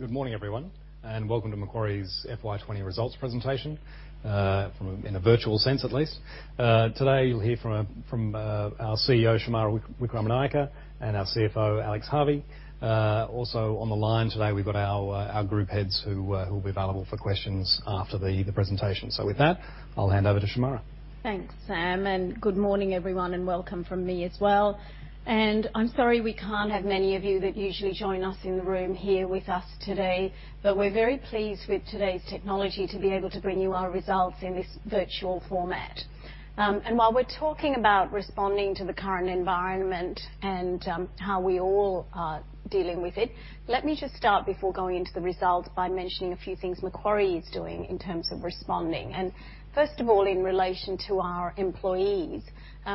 Good morning, everyone, and welcome to Macquarie's FY 2020 results presentation, in a virtual sense, at least. Today you'll hear from our CEO, Shemara Wikramanayake, and our CFO, Alex Harvey. Also on the line today we've got our group heads who'll be available for questions after the presentation. With that, I'll hand over to Shemara. Thanks, Sam, and good morning, everyone, and welcome from me as well. I'm sorry we can't have many of you that usually join us in the room here with us today, but we're very pleased with today's technology to be able to bring you our results in this virtual format. While we're talking about responding to the current environment and how we all are dealing with it, let me just start, before going into the results, by mentioning a few things Macquarie is doing in terms of responding. First of all, in relation to our employees,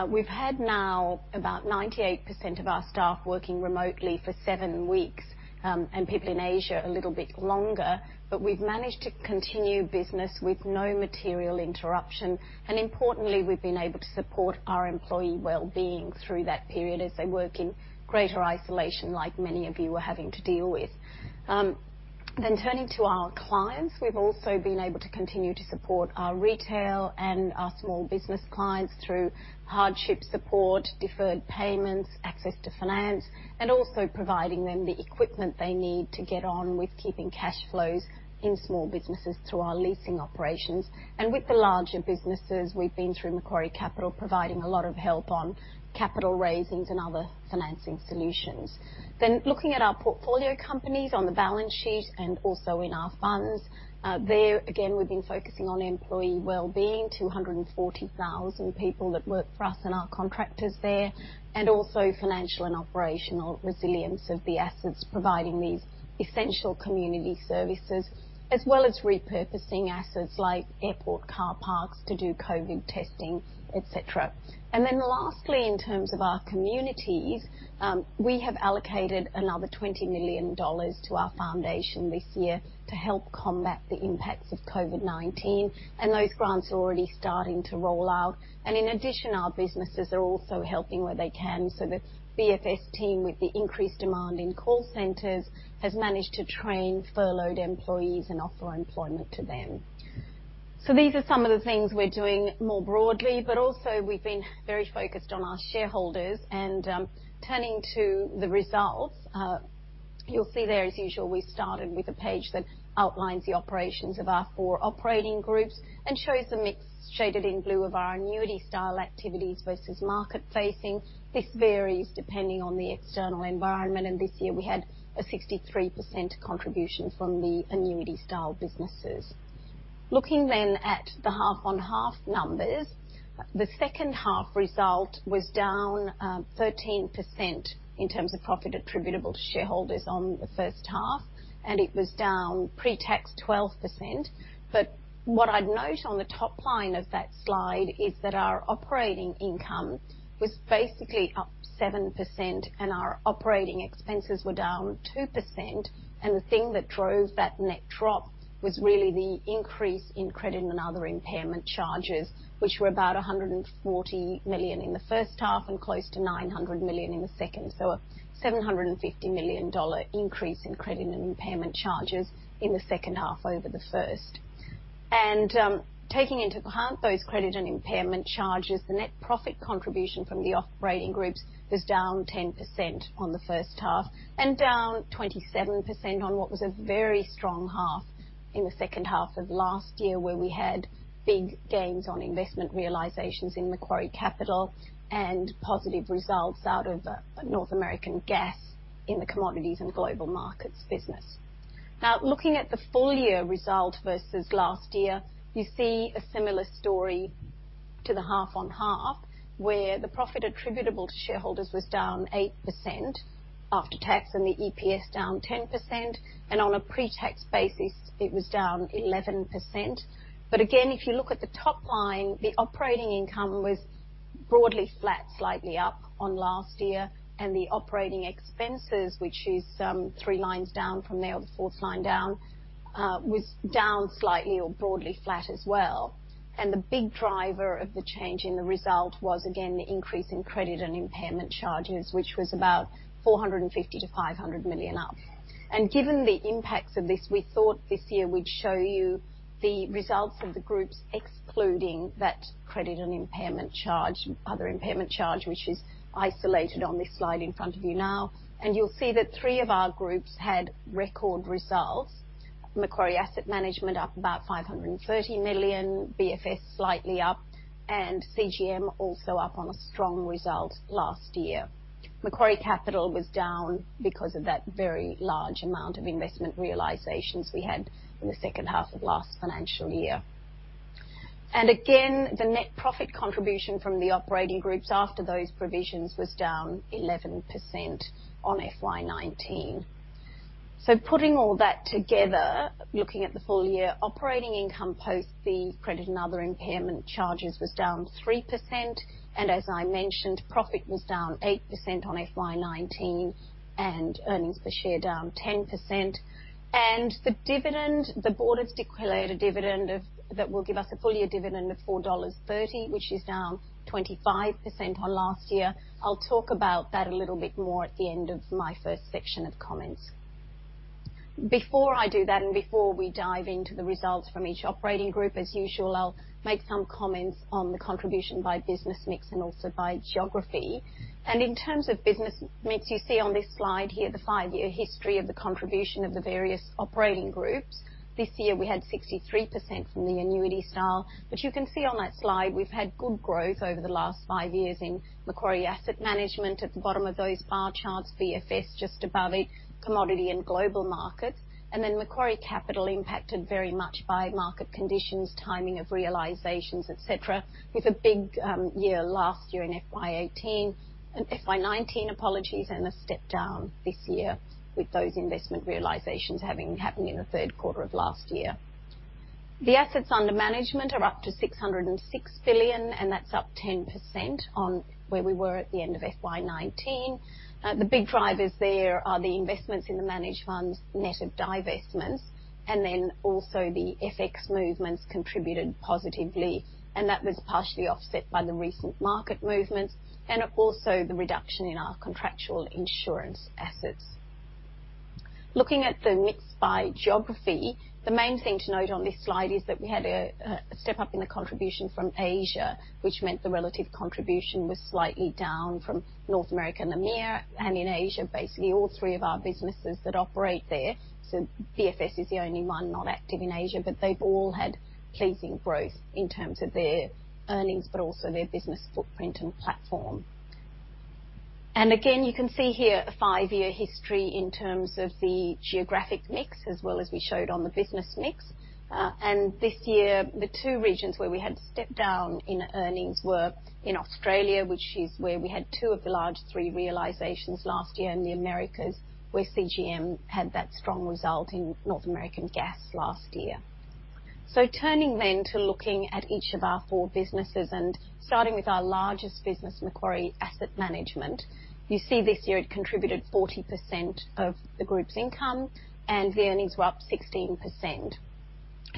we've had now about 98% of our staff working remotely for seven weeks, and people in Asia a little bit longer, but we've managed to continue business with no material interruption. Importantly, we've been able to support our employee well-being through that period as they work in greater isolation, like many of you are having to deal with. Turning to our clients, we've also been able to continue to support our retail and our small business clients through hardship support, deferred payments, access to finance, and also providing them the equipment they need to get on with keeping cash flows in small businesses through our leasing operations. With the larger businesses, we've been through Macquarie Capital providing a lot of help on capital raisings and other financing solutions. Looking at our portfolio companies on the balance sheet and also in our funds, there, again, we've been focusing on employee well-being, 240,000 people that work for us and our contractors there, and also financial and operational resilience of the assets providing these essential community services, as well as repurposing assets like airport car parks to do COVID testing, etc. Lastly, in terms of our communities, we have allocated another 20 million dollars to our foundation this year to help combat the impacts of COVID-19, and those grants are already starting to roll out. In addition, our businesses are also helping where they can, so the BFS team, with the increased demand in call centers, has managed to train furloughed employees and offer employment to them. These are some of the things we're doing more broadly, but also we've been very focused on our shareholders. Turning to the results, you'll see there, as usual, we started with a page that outlines the operations of our four operating groups and shows the mix shaded in blue of our annuity-style activities versus market-facing. This varies depending on the external environment, and this year we had a 63% contribution from the annuity-style businesses. Looking then at the half-on-half numbers, the second-half result was down 13% in terms of profit attributable to shareholders on the first half, and it was down pretax 12%. What I'd note on the top line of that slide is that our operating income was basically up 7%, and our operating expenses were down 2%. The thing that drove that net drop was really the increase in credit and other impairment charges, which were about 140 million in the first half and close to 900 million in the second. A 750 million dollar increase in credit and impairment charges in the second half over the first. Taking into account those credit and impairment charges, the net profit contribution from the operating groups was down 10% on the first half and down 27% on what was a very strong half in the second half of last year, where we had big gains on investment realizations in Macquarie Capital and positive results out of North American Gas in the Commodities and Global Markets business. Now, looking at the full-year result versus last year, you see a similar story to the half-on-half, where the profit attributable to shareholders was down 8% after tax and the EPS down 10%. On a pretax basis, it was down 11%. If you look at the top line, the operating income was broadly flat, slightly up on last year, and the operating expenses, which is three lines down from there, the fourth line down, was down slightly or broadly flat as well. The big driver of the change in the result was, again, the increase in credit and impairment charges, which was about 450 million-500 million up. Given the impacts of this, we thought this year we'd show you the results of the groups excluding that credit and impairment charge, other impairment charge, which is isolated on this slide in front of you now. You'll see that three of our groups had record results: Macquarie Asset Management up about 530 million, BFS slightly up, and CGM also up on a strong result last year. Macquarie Capital was down because of that very large amount of investment realizations we had in the second half of last financial year. The net profit contribution from the operating groups after those provisions was down 11% on FY 2019. Putting all that together, looking at the full-year operating income post the credit and other impairment charges was down 3%, and as I mentioned, profit was down 8% on FY 2019 and earnings per share down 10%. The dividend, the board has declared a dividend that will give us a full-year dividend of 4.30 dollars, which is down 25% on last year. I'll talk about that a little bit more at the end of my first section of comments. Before I do that and before we dive into the results from each operating group, as usual, I'll make some comments on the contribution by business mix and also by geography. In terms of business mix, you see on this slide here the five-year history of the contribution of the various operating groups. This year we had 63% from the annuity-style, but you can see on that slide we've had good growth over the last five years in Macquarie Asset Management at the bottom of those bar charts, BFS just above it, Commodities and Global Markets. Macquarie Capital impacted very much by market conditions, timing of realizations, etc., with a big year last year in FY 2018 and FY 2019, apologies, and a step down this year with those investment realizations having happened in the third quarter of last year. The assets under management are up to 606 billion, and that's up 10% on where we were at the end of FY 2019. The big drivers there are the investments in the managed funds, net of divestments, and then also the FX movements contributed positively, and that was partially offset by the recent market movements and also the reduction in our contractual insurance assets. Looking at the mix by geography, the main thing to note on this slide is that we had a step up in the contribution from Asia, which meant the relative contribution was slightly down from North America and EMEA, and in Asia, basically all three of our businesses that operate there. BFS is the only one not active in Asia, but they've all had pleasing growth in terms of their earnings, but also their business footprint and platform. You can see here a five-year history in terms of the geographic mix, as well as we showed on the business mix. This year, the two regions where we had a step down in earnings were in Australia, which is where we had two of the large three realizations last year, and the Americas where CGM had that strong result in North American Gas last year. Turning then to looking at each of our four businesses and starting with our largest business, Macquarie Asset Management, you see this year it contributed 40% of the group's income, and the earnings were up 16%.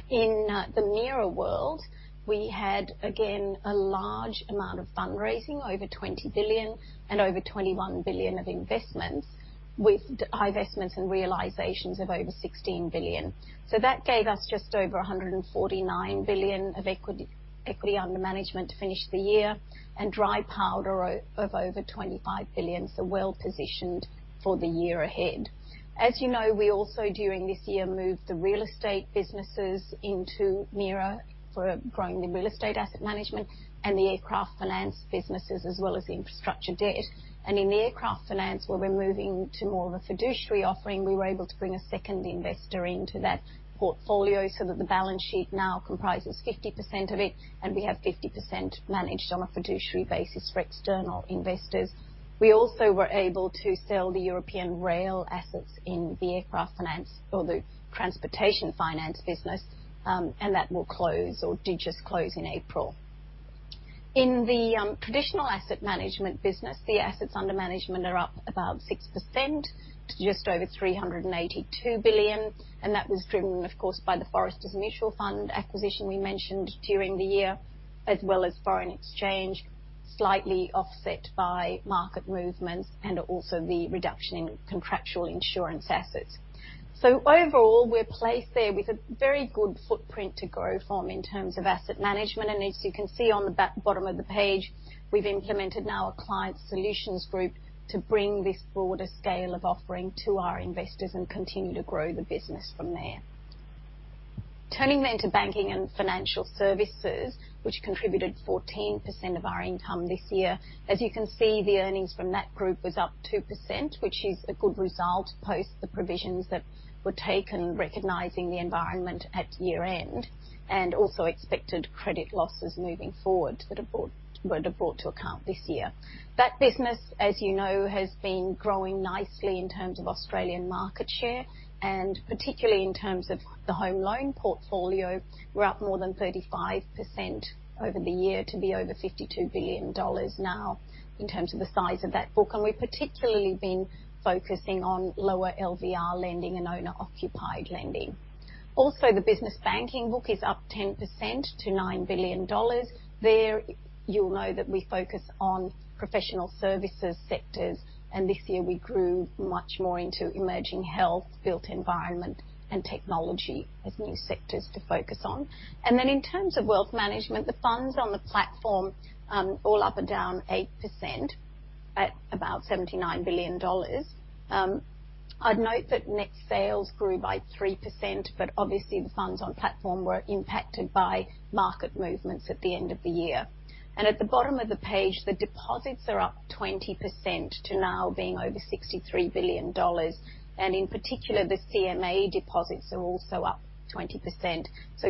In the mirror world, we had, again, a large amount of fundraising, over 20 billion and over 21 billion of investments with divestments and realizations of over 16 billion. That gave us just over 149 billion of equity under management to finish the year and dry powder of over 25 billion, so well positioned for the year ahead. As you know, we also during this year moved the real estate businesses into MAM for growing the real estate asset management and the aircraft finance businesses, as well as the infrastructure debt. In the aircraft finance, where we're moving to more of a fiduciary offering, we were able to bring a second investor into that portfolio so that the balance sheet now comprises 50% of it, and we have 50% managed on a fiduciary basis for external investors. We also were able to sell the European rail assets in the aircraft finance or the transportation finance business, and that will close or did just close in April. In the traditional asset management business, the assets under management are up about 6% to just over 382 billion, and that was driven, of course, by the Foresters Financial Mutual Fund acquisition we mentioned during the year, as well as foreign exchange, slightly offset by market movements and also the reduction in contractual insurance assets. Overall, we're placed there with a very good footprint to grow from in terms of asset management. As you can see on the bottom of the page, we've implemented now a client solutions group to bring this broader scale of offering to our investors and continue to grow the business from there. Turning then to Banking and Financial Services, which contributed 14% of our income this year. As you can see, the earnings from that group was up 2%, which is a good result post the provisions that were taken, recognizing the environment at year-end and also expected credit losses moving forward that have brought, were brought to account this year. That business, as you know, has been growing nicely in terms of Australian market share and particularly in terms of the home loan portfolio. We're up more than 35% over the year to be over 52 billion dollars now in terms of the size of that book, and we've particularly been focusing on lower LVR lending and owner-occupied lending. Also, the business banking book is up 10% to 9 billion dollars. There, you'll know that we focus on professional services sectors, and this year we grew much more into emerging health, built environment, and technology as new sectors to focus on. In terms of wealth management, the funds on the platform, all up and down 8% at about 79 billion dollars. I'd note that net sales grew by 3%, but obviously the funds on platform were impacted by market movements at the end of the year. At the bottom of the page, the deposits are up 20% to now being over 63 billion dollars, and in particular, the CMA deposits are also up 20%.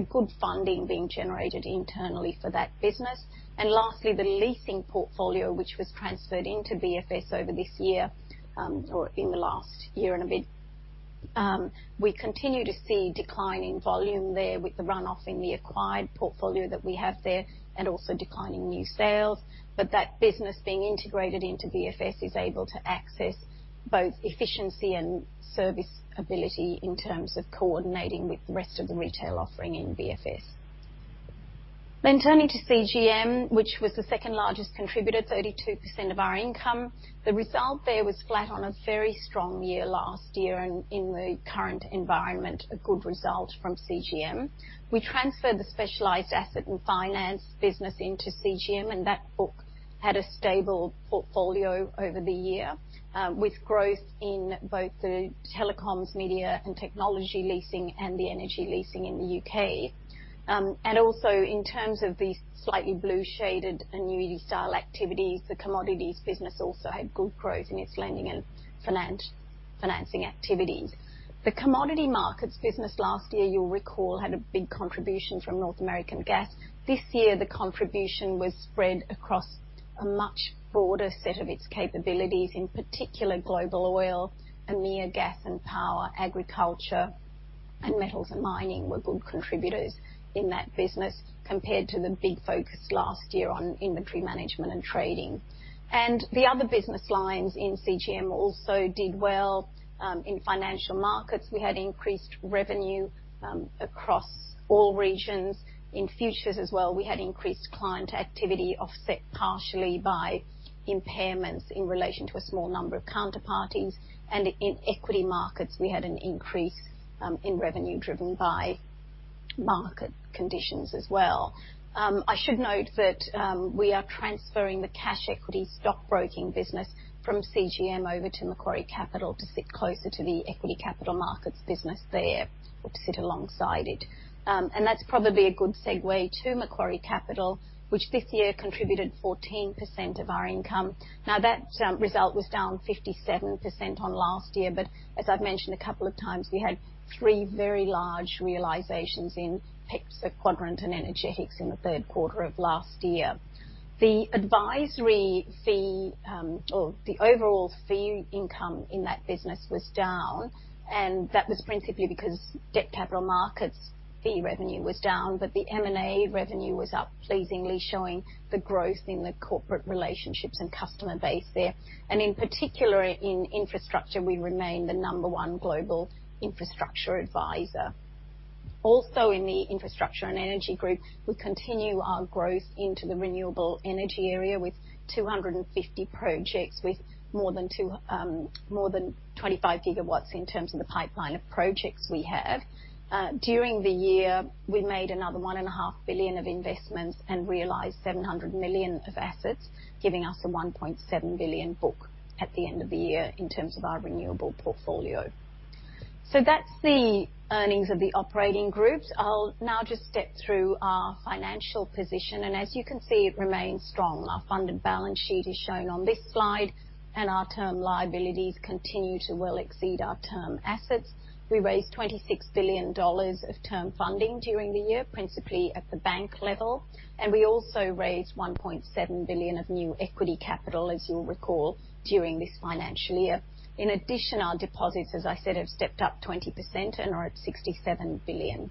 Good funding is being generated internally for that business. Lastly, the leasing portfolio, which was transferred into BFS over this year, or in the last year and a bit, we continue to see declining volume there with the run-off in the acquired portfolio that we have there and also declining new sales. That business being integrated into BFS is able to access both efficiency and service ability in terms of coordinating with the rest of the retail offering in BFS. Turning to CGM, which was the second largest contributor, 32% of our income, the result there was flat on a very strong year last year, and in the current environment, a good result from CGM. We transferred the specialized asset and finance business into CGM, and that book had a stable portfolio over the year, with growth in both the telecoms, media, and technology leasing and the energy leasing in the U.K. Also, in terms of these slightly blue-shaded annuity-style activities, the commodities business also had good growth in its lending and finance, financing activities. The commodity markets business last year, you'll recall, had a big contribution from North American Gas. This year, the contribution was spread across a much broader set of its capabilities, in particular, global oil, EMEA gas and power, agriculture, and metals and mining were good contributors in that business compared to the big focus last year on inventory management and trading. The other business lines in CGM also did well. In financial markets, we had increased revenue, across all regions. In futures as well, we had increased client activity offset partially by impairments in relation to a small number of counterparties. In equity markets, we had an increase, in revenue driven by market conditions as well. I should note that we are transferring the cash equity stockbroking business from CGM over to Macquarie Capital to sit closer to the equity capital markets business there or to sit alongside it. That's probably a good segue to Macquarie Capital, which this year contributed 14% of our income. Now, that result was down 57% on last year, but as I've mentioned a couple of times, we had three very large realizations in Pepsi, Quadrant, and Energetics in the third quarter of last year. The advisory fee, or the overall fee income in that business was down, and that was principally because debt capital markets fee revenue was down, but the M&A revenue was up pleasingly, showing the growth in the corporate relationships and customer base there. In particular, in infrastructure, we remain the number one global infrastructure advisor. Also, in the infrastructure and energy group, we continue our growth into the renewable energy area with 250 projects with more than two, more than 25 gigawatts in terms of the pipeline of projects we have. During the year, we made another 1.5 billion of investments and realized 700 million of assets, giving us a 1.7 billion book at the end of the year in terms of our renewable portfolio. That is the earnings of the operating groups. I'll now just step through our financial position, and as you can see, it remains strong. Our funded balance sheet is shown on this slide, and our term liabilities continue to well exceed our term assets. We raised 26 billion dollars of term funding during the year, principally at the bank level, and we also raised 1.7 billion of new equity capital, as you'll recall, during this financial year. In addition, our deposits, as I said, have stepped up 20% and are at 67 billion.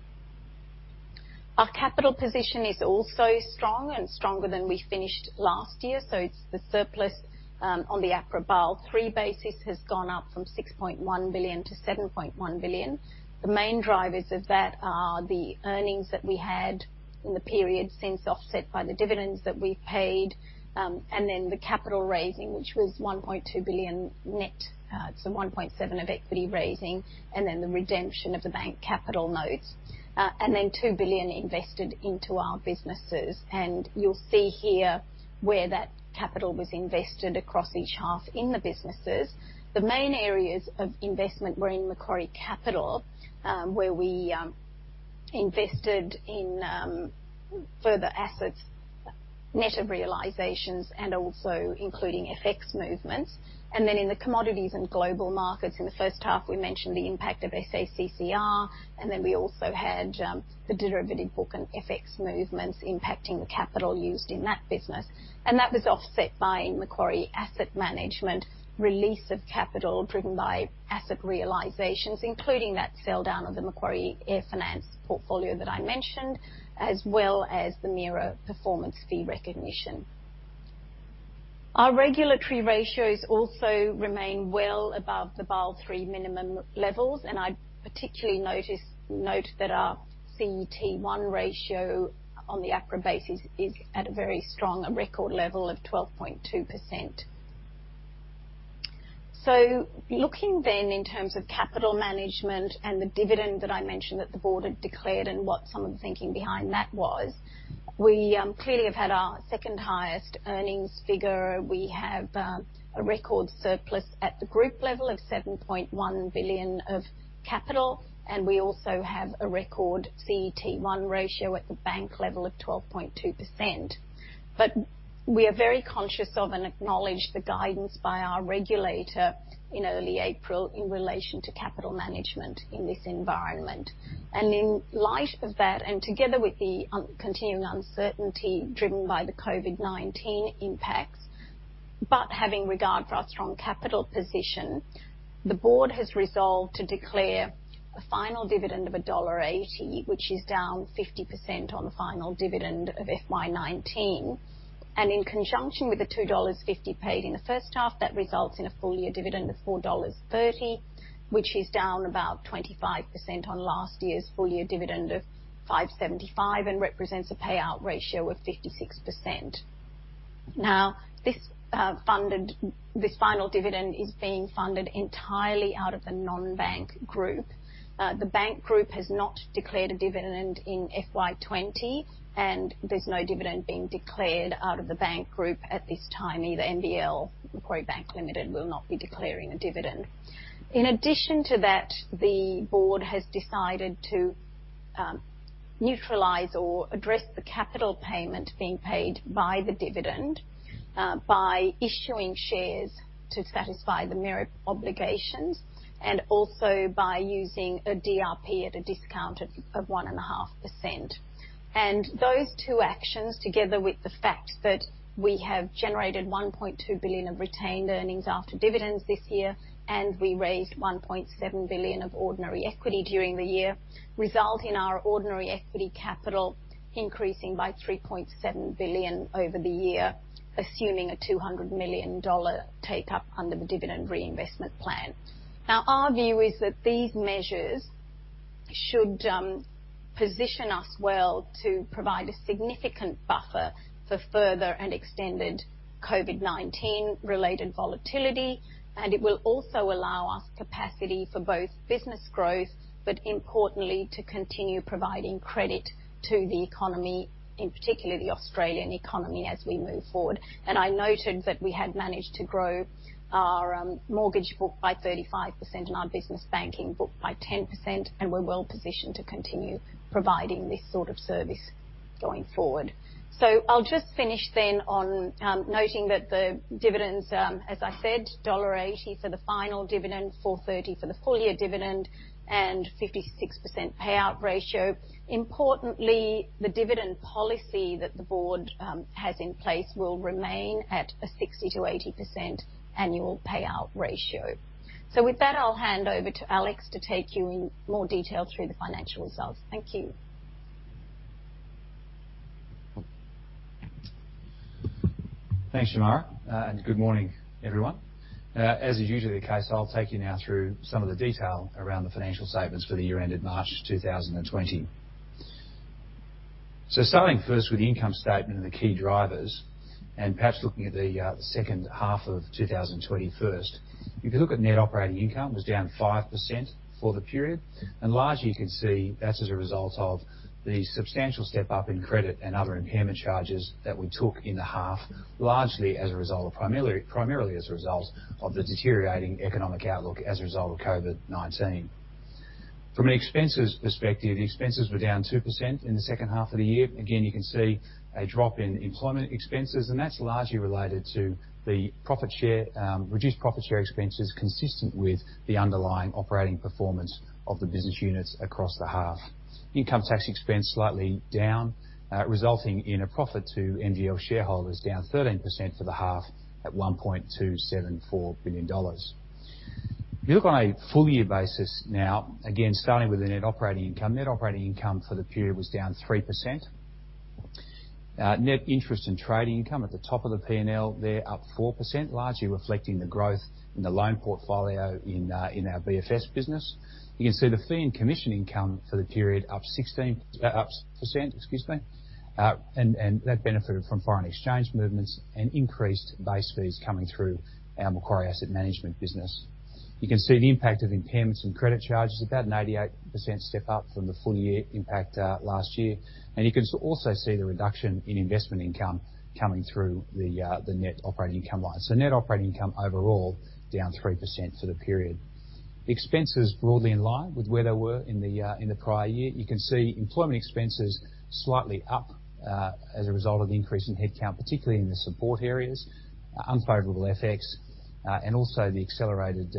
Our capital position is also strong and stronger than we finished last year, so it's the surplus, on the APRA Basel III basis has gone up from 6.1 billion to 7.1 billion. The main drivers of that are the earnings that we had in the period since offset by the dividends that we've paid, and then the capital raising, which was 1.2 billion net, so 1.7 billion of equity raising, and then the redemption of the bank capital notes, and then 2 billion invested into our businesses. You'll see here where that capital was invested across each half in the businesses. The main areas of investment were in Macquarie Capital, where we invested in further assets, net of realizations and also including FX movements. In the Commodities and Global Markets, in the first half, we mentioned the impact of SACCR, and then we also had the derivative book and FX movements impacting the capital used in that business. That was offset by Macquarie Asset Management release of capital driven by asset realizations, including that sell down of the Macquarie Air Finance portfolio that I mentioned, as well as the mirror performance fee recognition. Our regulatory ratios also remain well above the Basel III minimum levels, and I particularly note that our CET1 ratio on the APRA basis is at a very strong record level of 12.2%. Looking then in terms of capital management and the dividend that I mentioned that the board had declared and what some of the thinking behind that was, we clearly have had our second highest earnings figure. We have a record surplus at the group level of 7.1 billion of capital, and we also have a record CET1 ratio at the bank level of 12.2%. We are very conscious of and acknowledge the guidance by our regulator in early April in relation to capital management in this environment. In light of that, together with the continuing uncertainty driven by the COVID-19 impacts, but having regard for our strong capital position, the board has resolved to declare a final dividend of dollar 1.80, which is down 50% on the final dividend of FY 2019. In conjunction with the 2.50 dollars paid in the first half, that results in a full year dividend of 4.30 dollars, which is down about 25% on last year's full year dividend of 5.75 and represents a payout ratio of 56%. Now, this final dividend is being funded entirely out of the non-bank group. The bank group has not declared a dividend in FY 2020, and there is no dividend being declared out of the bank group at this time. Either MBL, Macquarie Bank Limited, will not be declaring a dividend. In addition to that, the board has decided to neutralize or address the capital payment being paid by the dividend by issuing shares to satisfy the mirror obligations and also by using a DRP at a discount of 1.5%. Those two actions, together with the fact that we have generated 1.2 billion of retained earnings after dividends this year, and we raised 1.7 billion of ordinary equity during the year, result in our ordinary equity capital increasing by 3.7 billion over the year, assuming a 200 million dollar take-up under the dividend reinvestment plan. Our view is that these measures should position us well to provide a significant buffer for further and extended COVID-19 related volatility, and it will also allow us capacity for both business growth, but importantly, to continue providing credit to the economy, in particular the Australian economy, as we move forward. I noted that we had managed to grow our mortgage book by 35% and our business banking book by 10%, and we're well positioned to continue providing this sort of service going forward. I will just finish then on noting that the dividends, as I said, dollar 1.80 for the final dividend, 4.30 for the full year dividend, and 56% payout ratio. Importantly, the dividend policy that the board has in place will remain at a 60%-80% annual payout ratio. With that, I'll hand over to Alex to take you in more detail through the financial results. Thank you. Thanks, Shemara. Good morning, everyone. As is usually the case, I'll take you now through some of the detail around the financial statements for the year ended March 2020. Starting first with the income statement and the key drivers, and perhaps looking at the second half of 2021, if you look at net operating income, it was down 5% for the period. Largely, you can see that's as a result of the substantial step-up in credit and other impairment charges that we took in the half, largely as a result of, primarily as a result of the deteriorating economic outlook as a result of COVID-19. From an expenses perspective, the expenses were down 2% in the second half of the year. Again, you can see a drop in employment expenses, and that's largely related to the profit share, reduced profit share expenses consistent with the underlying operating performance of the business units across the half. Income tax expense slightly down, resulting in a profit to MGL shareholders down 13% for the half at 1.274 billion dollars. If you look on a full year basis now, again, starting with the net operating income, net operating income for the period was down 3%. Net interest and trading income at the top of the P&L, they're up 4%, largely reflecting the growth in the loan portfolio in our BFS business. You can see the fee and commission income for the period up 16%, up %, excuse me, and that benefited from foreign exchange movements and increased base fees coming through our Macquarie Asset Management business. You can see the impact of impairments and credit charges, about an 88% step-up from the full year impact last year. You can also see the reduction in investment income coming through the net operating income line. Net operating income overall down 3% for the period. Expenses broadly in line with where they were in the prior year. You can see employment expenses slightly up as a result of the increase in headcount, particularly in the support areas, unfavorable effects, and also the accelerated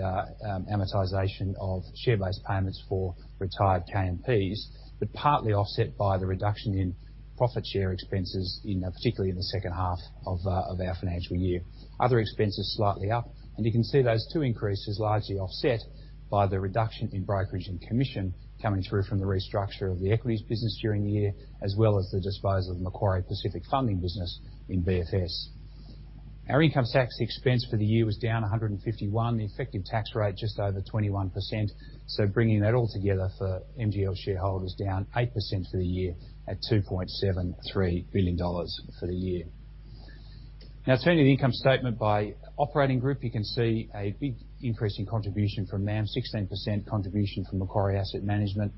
amortization of share-based payments for retired KMPs, but partly offset by the reduction in profit share expenses, particularly in the second half of our financial year. Other expenses slightly up, and you can see those two increases largely offset by the reduction in brokerage and commission coming through from the restructure of the equities business during the year, as well as the disposal of the Macquarie Pacific Funding business in BFS. Our income tax expense for the year was down 151 million, the effective tax rate just over 21%. Bringing that all together for MGL shareholders, down 8% for the year at 2.73 billion dollars for the year. Now, turning to the income statement by operating group, you can see a big increase in contribution from MAM, 16% contribution from Macquarie Asset Management,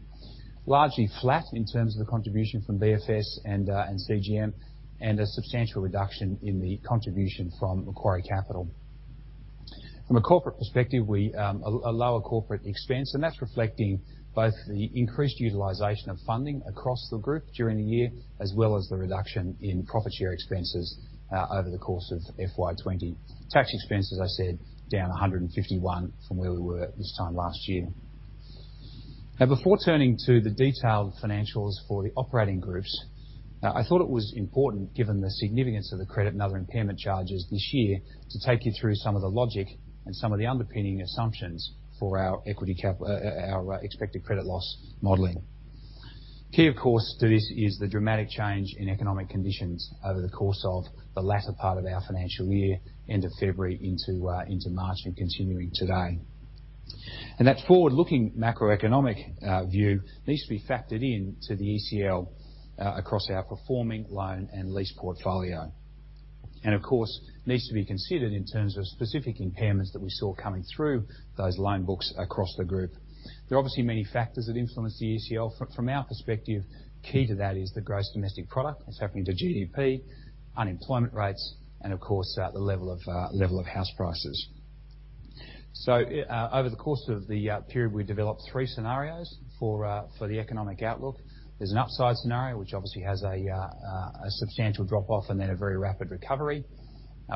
largely flat in terms of the contribution from BFS and CGM, and a substantial reduction in the contribution from Macquarie Capital. From a corporate perspective, we, a lower corporate expense, and that's reflecting both the increased utilization of funding across the group during the year, as well as the reduction in profit share expenses, over the course of FY 2020. Tax expense, as I said, down 151 from where we were this time last year. Now, before turning to the detailed financials for the operating groups, I thought it was important, given the significance of the credit and other impairment charges this year, to take you through some of the logic and some of the underpinning assumptions for our equity cap, our, expected credit loss modeling. Key, of course, to this is the dramatic change in economic conditions over the course of the latter part of our financial year, end of February into, into March and continuing today. That forward-looking macroeconomic view needs to be factored into the ECL across our performing loan and lease portfolio. Of course, it needs to be considered in terms of specific impairments that we saw coming through those loan books across the group. There are obviously many factors that influence the ECL. From our perspective, key to that is the gross domestic product, it's helping to GDP, unemployment rates, and of course, the level of house prices. Over the course of the period, we developed three scenarios for the economic outlook. There's an upside scenario, which obviously has a substantial drop-off and then a very rapid recovery.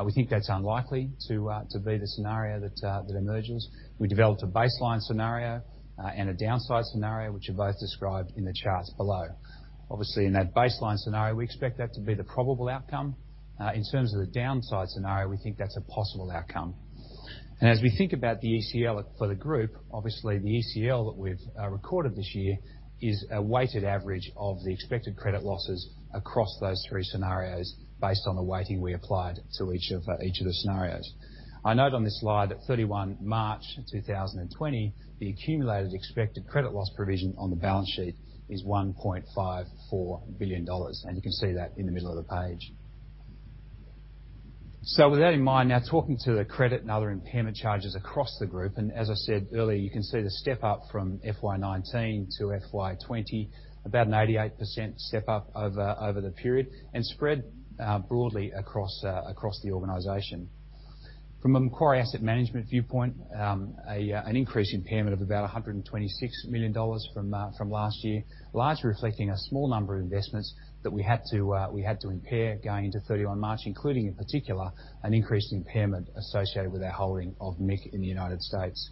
We think that's unlikely to be the scenario that emerges. We developed a baseline scenario and a downside scenario, which are both described in the charts below. Obviously, in that baseline scenario, we expect that to be the probable outcome. In terms of the downside scenario, we think that's a possible outcome. As we think about the ECL for the group, obviously the ECL that we've recorded this year is a weighted average of the expected credit losses across those three scenarios based on the weighting we applied to each of the scenarios. I note on this slide that 31 March 2020, the accumulated expected credit loss provision on the balance sheet is 1.54 billion dollars, and you can see that in the middle of the page. With that in mind, now talking to the credit and other impairment charges across the group, as I said earlier, you can see the step-up from FY 2019 to FY 2020, about an 88% step-up over the period and spread broadly across the organization. From a Macquarie Asset Management viewpoint, an increased impairment of about 126 million dollars from last year, largely reflecting a small number of investments that we had to impair going into 31 March, including in particular an increased impairment associated with our holding of MIC in the United States.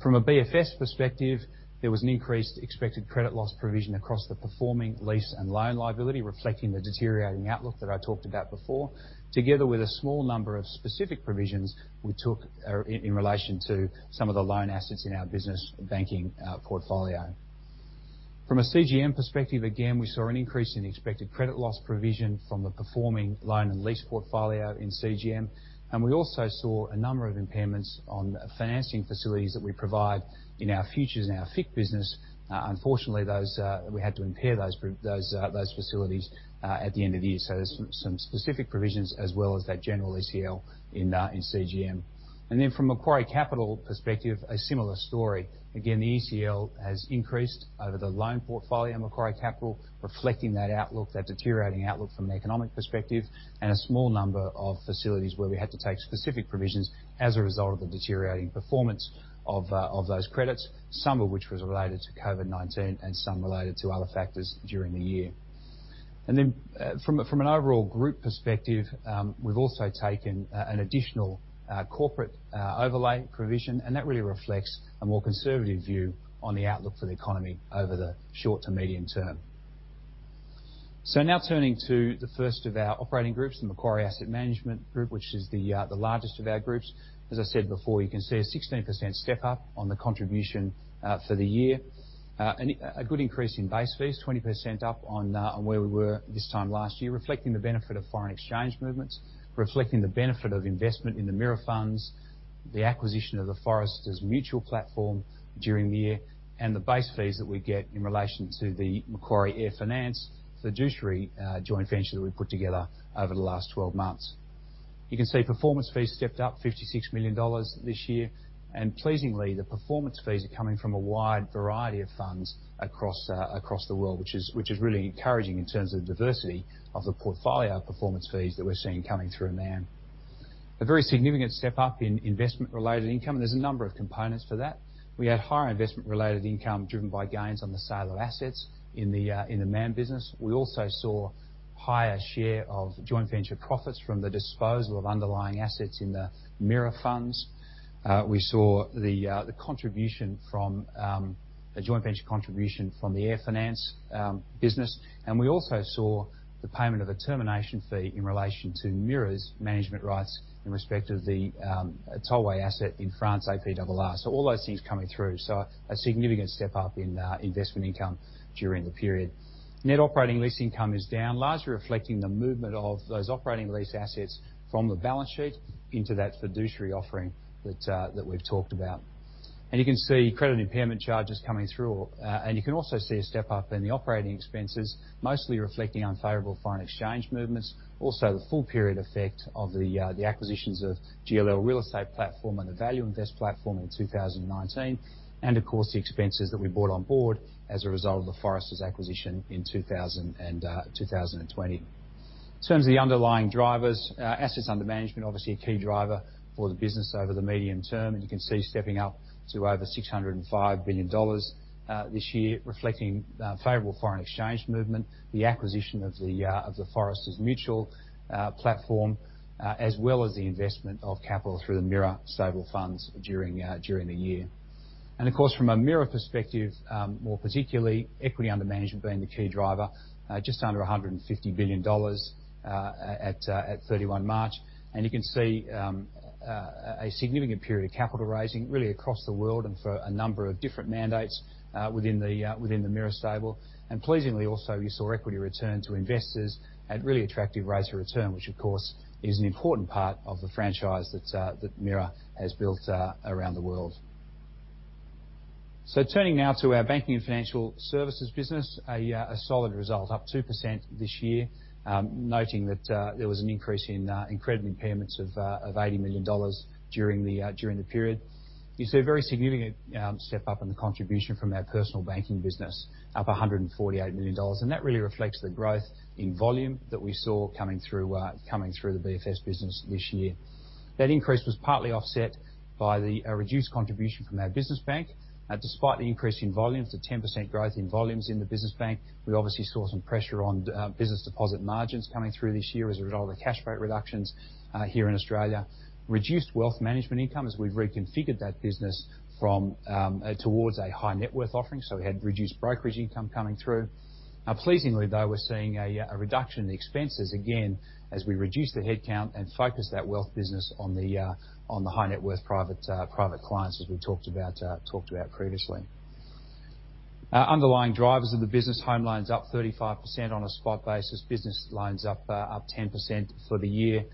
From a BFS perspective, there was an increased expected credit loss provision across the performing lease and loan liability, reflecting the deteriorating outlook that I talked about before, together with a small number of specific provisions we took, in relation to some of the loan assets in our business banking portfolio. From a CGM perspective, again, we saw an increase in the expected credit loss provision from the performing loan and lease portfolio in CGM, and we also saw a number of impairments on financing facilities that we provide in our futures and our FIC business. Unfortunately, we had to impair those facilities at the end of the year. There are some specific provisions as well as that general ECL in CGM. From a Macquarie Capital perspective, a similar story. Again, the ECL has increased over the loan portfolio in Macquarie Capital, reflecting that outlook, that deteriorating outlook from an economic perspective, and a small number of facilities where we had to take specific provisions as a result of the deteriorating performance of those credits, some of which was related to COVID-19 and some related to other factors during the year. From an overall group perspective, we have also taken an additional corporate overlay provision, and that really reflects a more conservative view on the outlook for the economy over the short to medium term. Now turning to the first of our operating groups, the Macquarie Asset Management Group, which is the largest of our groups. As I said before, you can see a 16% step-up on the contribution for the year. A good increase in base fees, 20% up on where we were this time last year, reflecting the benefit of foreign exchange movements, reflecting the benefit of investment in the mirror funds, the acquisition of the Foresters Financial platform during the year, and the base fees that we get in relation to the Macquarie Air Finance fiduciary joint venture that we put together over the last 12 months. You can see performance fees stepped up 56 million dollars this year, and pleasingly, the performance fees are coming from a wide variety of funds across the world, which is really encouraging in terms of the diversity of the portfolio performance fees that we're seeing coming through MAM. A very significant step-up in investment-related income, and there's a number of components for that. We had higher investment-related income driven by gains on the sale of assets in the MAM business. We also saw a higher share of joint venture profits from the disposal of underlying assets in the mirror funds. We saw the contribution from the joint venture contribution from the air finance business, and we also saw the payment of a termination fee in relation to MIRA's management rights in respect of the tollway asset in France, APRR. All those things coming through, a significant step-up in investment income during the period. Net operating lease income is down, largely reflecting the movement of those operating lease assets from the balance sheet into that fiduciary offering that we've talked about. You can see credit impairment charges coming through, and you can also see a step-up in the operating expenses, mostly reflecting unfavorable foreign exchange movements, also the full period effect of the acquisitions of GLL Real Estate Partners and the Value Invest platform in 2019, and of course, the expenses that we brought on board as a result of the Foresters Financial acquisition in 2020. In terms of the underlying drivers, assets under management, obviously a key driver for the business over the medium term, and you can see stepping up to over 605 billion dollars this year, reflecting favorable foreign exchange movement, the acquisition of the Foresters Financial platform, as well as the investment of capital through the MIRA stable funds during the year. Of course, from a MIRA perspective, more particularly, equity under management being the key driver, just under 150 billion dollars at 31 March, and you can see a significant period of capital raising really across the world and for a number of different mandates within the MIRA stable. Pleasingly also, you saw equity return to investors at really attractive rates of return, which of course is an important part of the franchise that MIRA has built around the world. Turning now to our Banking and Financial Services business, a solid result, up 2% this year, noting that there was an increase in, incredibly, impairments of 80 million dollars during the period. You see a very significant step-up in the contribution from our personal banking business, up 148 million dollars, and that really reflects the growth in volume that we saw coming through the BFS business this year. That increase was partly offset by the reduced contribution from our business bank, despite the increase in volumes, the 10% growth in volumes in the business bank. We obviously saw some pressure on business deposit margins coming through this year as a result of the cash rate reductions here in Australia. Reduced wealth management income as we have reconfigured that business from, towards a high net worth offering, so we had reduced brokerage income coming through. Pleasingly though, we're seeing a reduction in the expenses again as we reduce the headcount and focus that wealth business on the high net worth private clients as we talked about previously. Underlying drivers of the business, home loans up 35% on a spot basis, business loans up 10% for the year.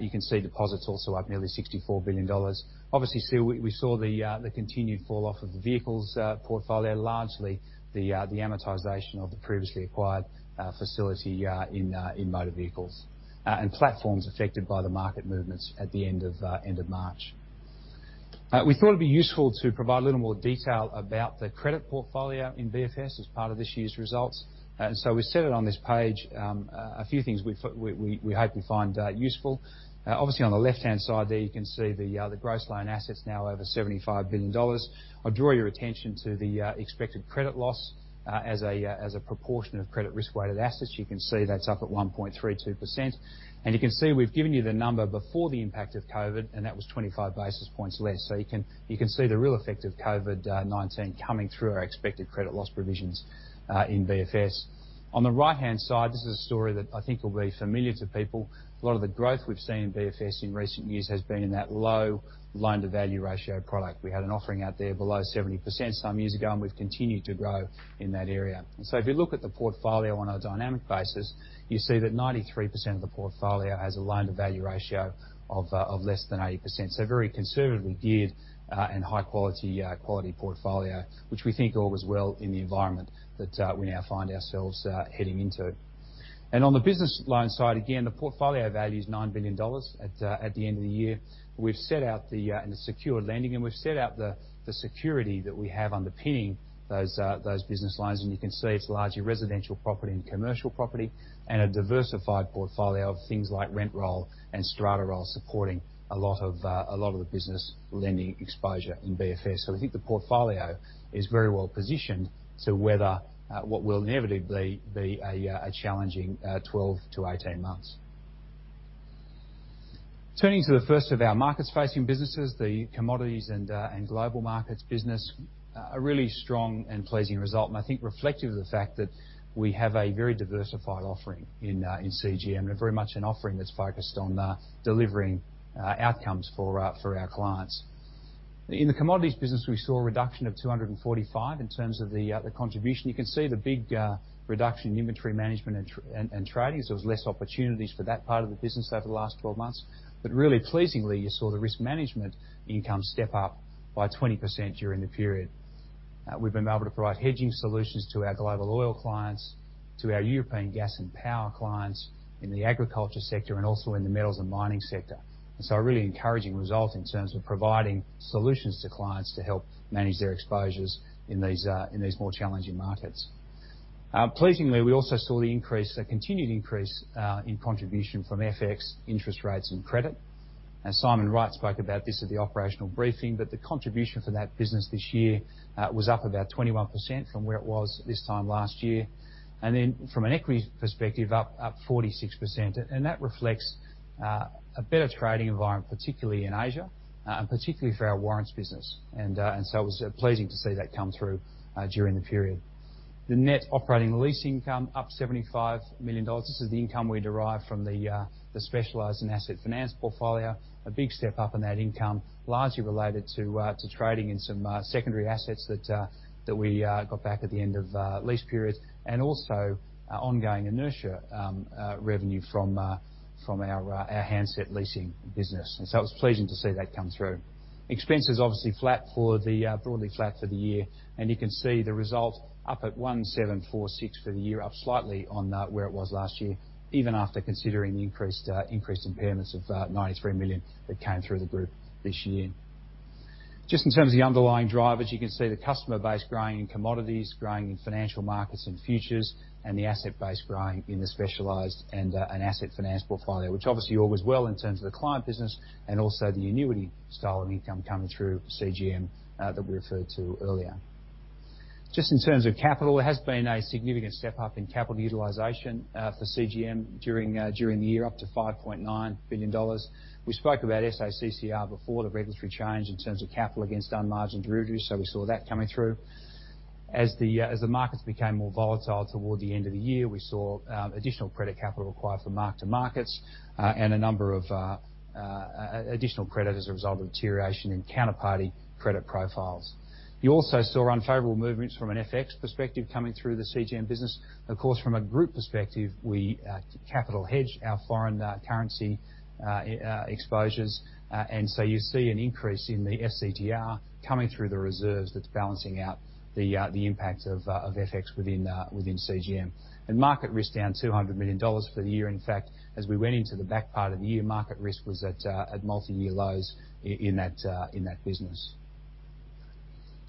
You can see deposits also up nearly 64 billion dollars. Obviously still, we saw the continued fall off of the vehicles portfolio, largely the amortization of the previously acquired facility in motor vehicles, and platforms affected by the market movements at the end of March. We thought it'd be useful to provide a little more detail about the credit portfolio in BFS as part of this year's results. We have set out on this page a few things we hope you find useful. Obviously, on the left-hand side there, you can see the gross loan assets now over 75 billion dollars. I'll draw your attention to the expected credit loss as a proportion of credit risk-weighted assets. You can see that's up at 1.32%, and you can see we've given you the number before the impact of COVID, and that was 25 basis points less. You can see the real effect of COVID-19 coming through our expected credit loss provisions in BFS. On the right-hand side, this is a story that I think will be familiar to people. A lot of the growth we've seen in BFS in recent years has been in that low loan-to-value ratio product. We had an offering out there below 70% some years ago, and we've continued to grow in that area. If you look at the portfolio on a dynamic basis, you see that 93% of the portfolio has a loan-to-value ratio of less than 80%. Very conservatively geared, and high quality, quality portfolio, which we think augurs well in the environment that we now find ourselves heading into. On the business loan side, again, the portfolio value is 9 billion dollars at the end of the year. We've set out the secure lending, and we've set out the security that we have underpinning those business loans. You can see it's largely residential property and commercial property and a diversified portfolio of things like RentRoll and StrataRoll supporting a lot of the business lending exposure in BFS. We think the portfolio is very well positioned to weather what will inevitably be a challenging 12-18 months. Turning to the first of our markets facing businesses, the Commodities and Global Markets business, a really strong and pleasing result, and I think reflective of the fact that we have a very diversified offering in CGM and very much an offering that's focused on delivering outcomes for our clients. In the commodities business, we saw a reduction of 245 in terms of the contribution. You can see the big reduction in inventory management and trading. There are less opportunities for that part of the business over the last 12 months, but really pleasingly, you saw the risk management income step up by 20% during the period. We've been able to provide hedging solutions to our global oil clients, to our European gas and power clients in the agriculture sector, and also in the metals and mining sector. A really encouraging result in terms of providing solutions to clients to help manage their exposures in these, in these more challenging markets. Pleasingly, we also saw the increase, a continued increase, in contribution from FX, interest rates, and credit. Simon Wright spoke about this at the operational briefing, but the contribution for that business this year was up about 21% from where it was this time last year, and then from an equity perspective, up 46%. That reflects a better trading environment, particularly in Asia, and particularly for our warrants business. It was pleasing to see that come through during the period. The net operating lease income up 75 million dollars. This is the income we derive from the specialized and asset finance portfolio, a big step-up in that income, largely related to trading in some secondary assets that we got back at the end of lease period, and also ongoing inertia revenue from our handset leasing business. It was pleasing to see that come through. Expenses obviously flat for the, broadly flat for the year, and you can see the result up at 1,746 million for the year, up slightly on where it was last year, even after considering the increased impairments of 93 million that came through the group this year. Just in terms of the underlying drivers, you can see the customer base growing in commodities, growing in financial markets and futures, and the asset base growing in the specialized and asset finance portfolio, which obviously augurs well in terms of the client business and also the annuity-style of income coming through CGM, that we referred to earlier. Just in terms of capital, there has been a significant step-up in capital utilization, for CGM during the year, up to 5.9 billion dollars. We spoke about SACCR before, the regulatory change in terms of capital against unmargined derivatives, so we saw that coming through. As the markets became more volatile toward the end of the year, we saw additional credit capital required for mark to markets, and a number of additional credit as a result of deterioration in counterparty credit profiles. You also saw unfavorable movements from an FX perspective coming through the CGM business. Of course, from a group perspective, we capital hedge our foreign currency exposures, and so you see an increase in the FCTR coming through the reserves that's balancing out the impact of FX within CGM. Market risk down 200 million dollars for the year. In fact, as we went into the back part of the year, market risk was at multi-year lows in that business.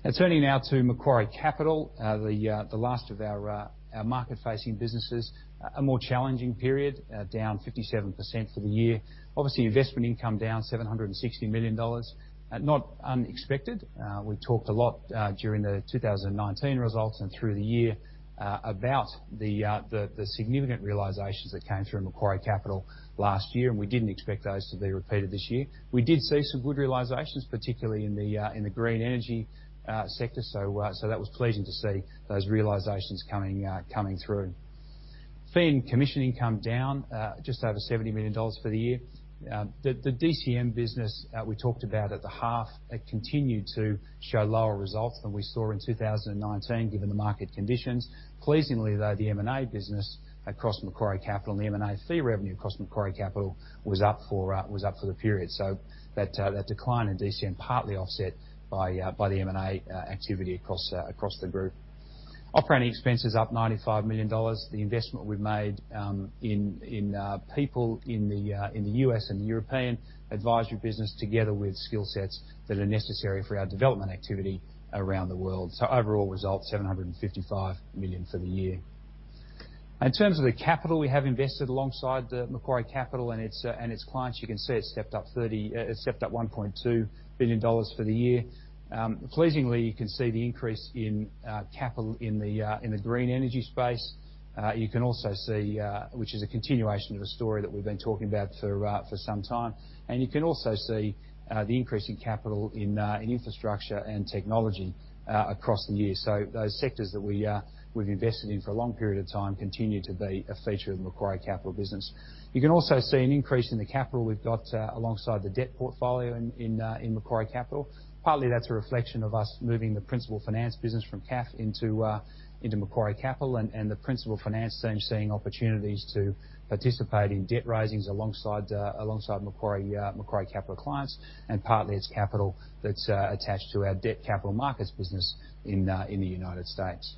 Now turning now to Macquarie Capital, the last of our market facing businesses, a more challenging period, down 57% for the year. Obviously, investment income down 760 million dollars, not unexpected. We talked a lot, during the 2019 results and through the year, about the significant realizations that came through Macquarie Capital last year, and we did not expect those to be repeated this year. We did see some good realizations, particularly in the green energy sector, so that was pleasing to see those realizations coming through. Fin commission income down, just over 70 million dollars for the year. The DCM business, we talked about at the half, continued to show lower results than we saw in 2019 given the market conditions. Pleasingly though, the M&A business across Macquarie Capital, the M&A fee revenue across Macquarie Capital was up for the period. That decline in DCM partly offset by the M&A activity across the group. Operating expenses up 95 million dollars. The investment we've made in people in the US and the European advisory business together with skill sets that are necessary for our development activity around the world. Overall result, 755 million for the year. In terms of the capital we have invested alongside Macquarie Capital and its clients, you can see it stepped up 1.2 billion dollars for the year. Pleasingly, you can see the increase in capital in the green energy space. You can also see, which is a continuation of the story that we've been talking about for some time. You can also see the increase in capital in infrastructure and technology across the year. Those sectors that we've invested in for a long period of time continue to be a feature of the Macquarie Capital business. You can also see an increase in the capital we've got, alongside the debt portfolio in Macquarie Capital. Partly that's a reflection of us moving the principal finance business from CAF into Macquarie Capital, and the principal finance team seeing opportunities to participate in debt raisings alongside Macquarie Capital clients, and partly it's capital that's attached to our debt capital markets business in the United States.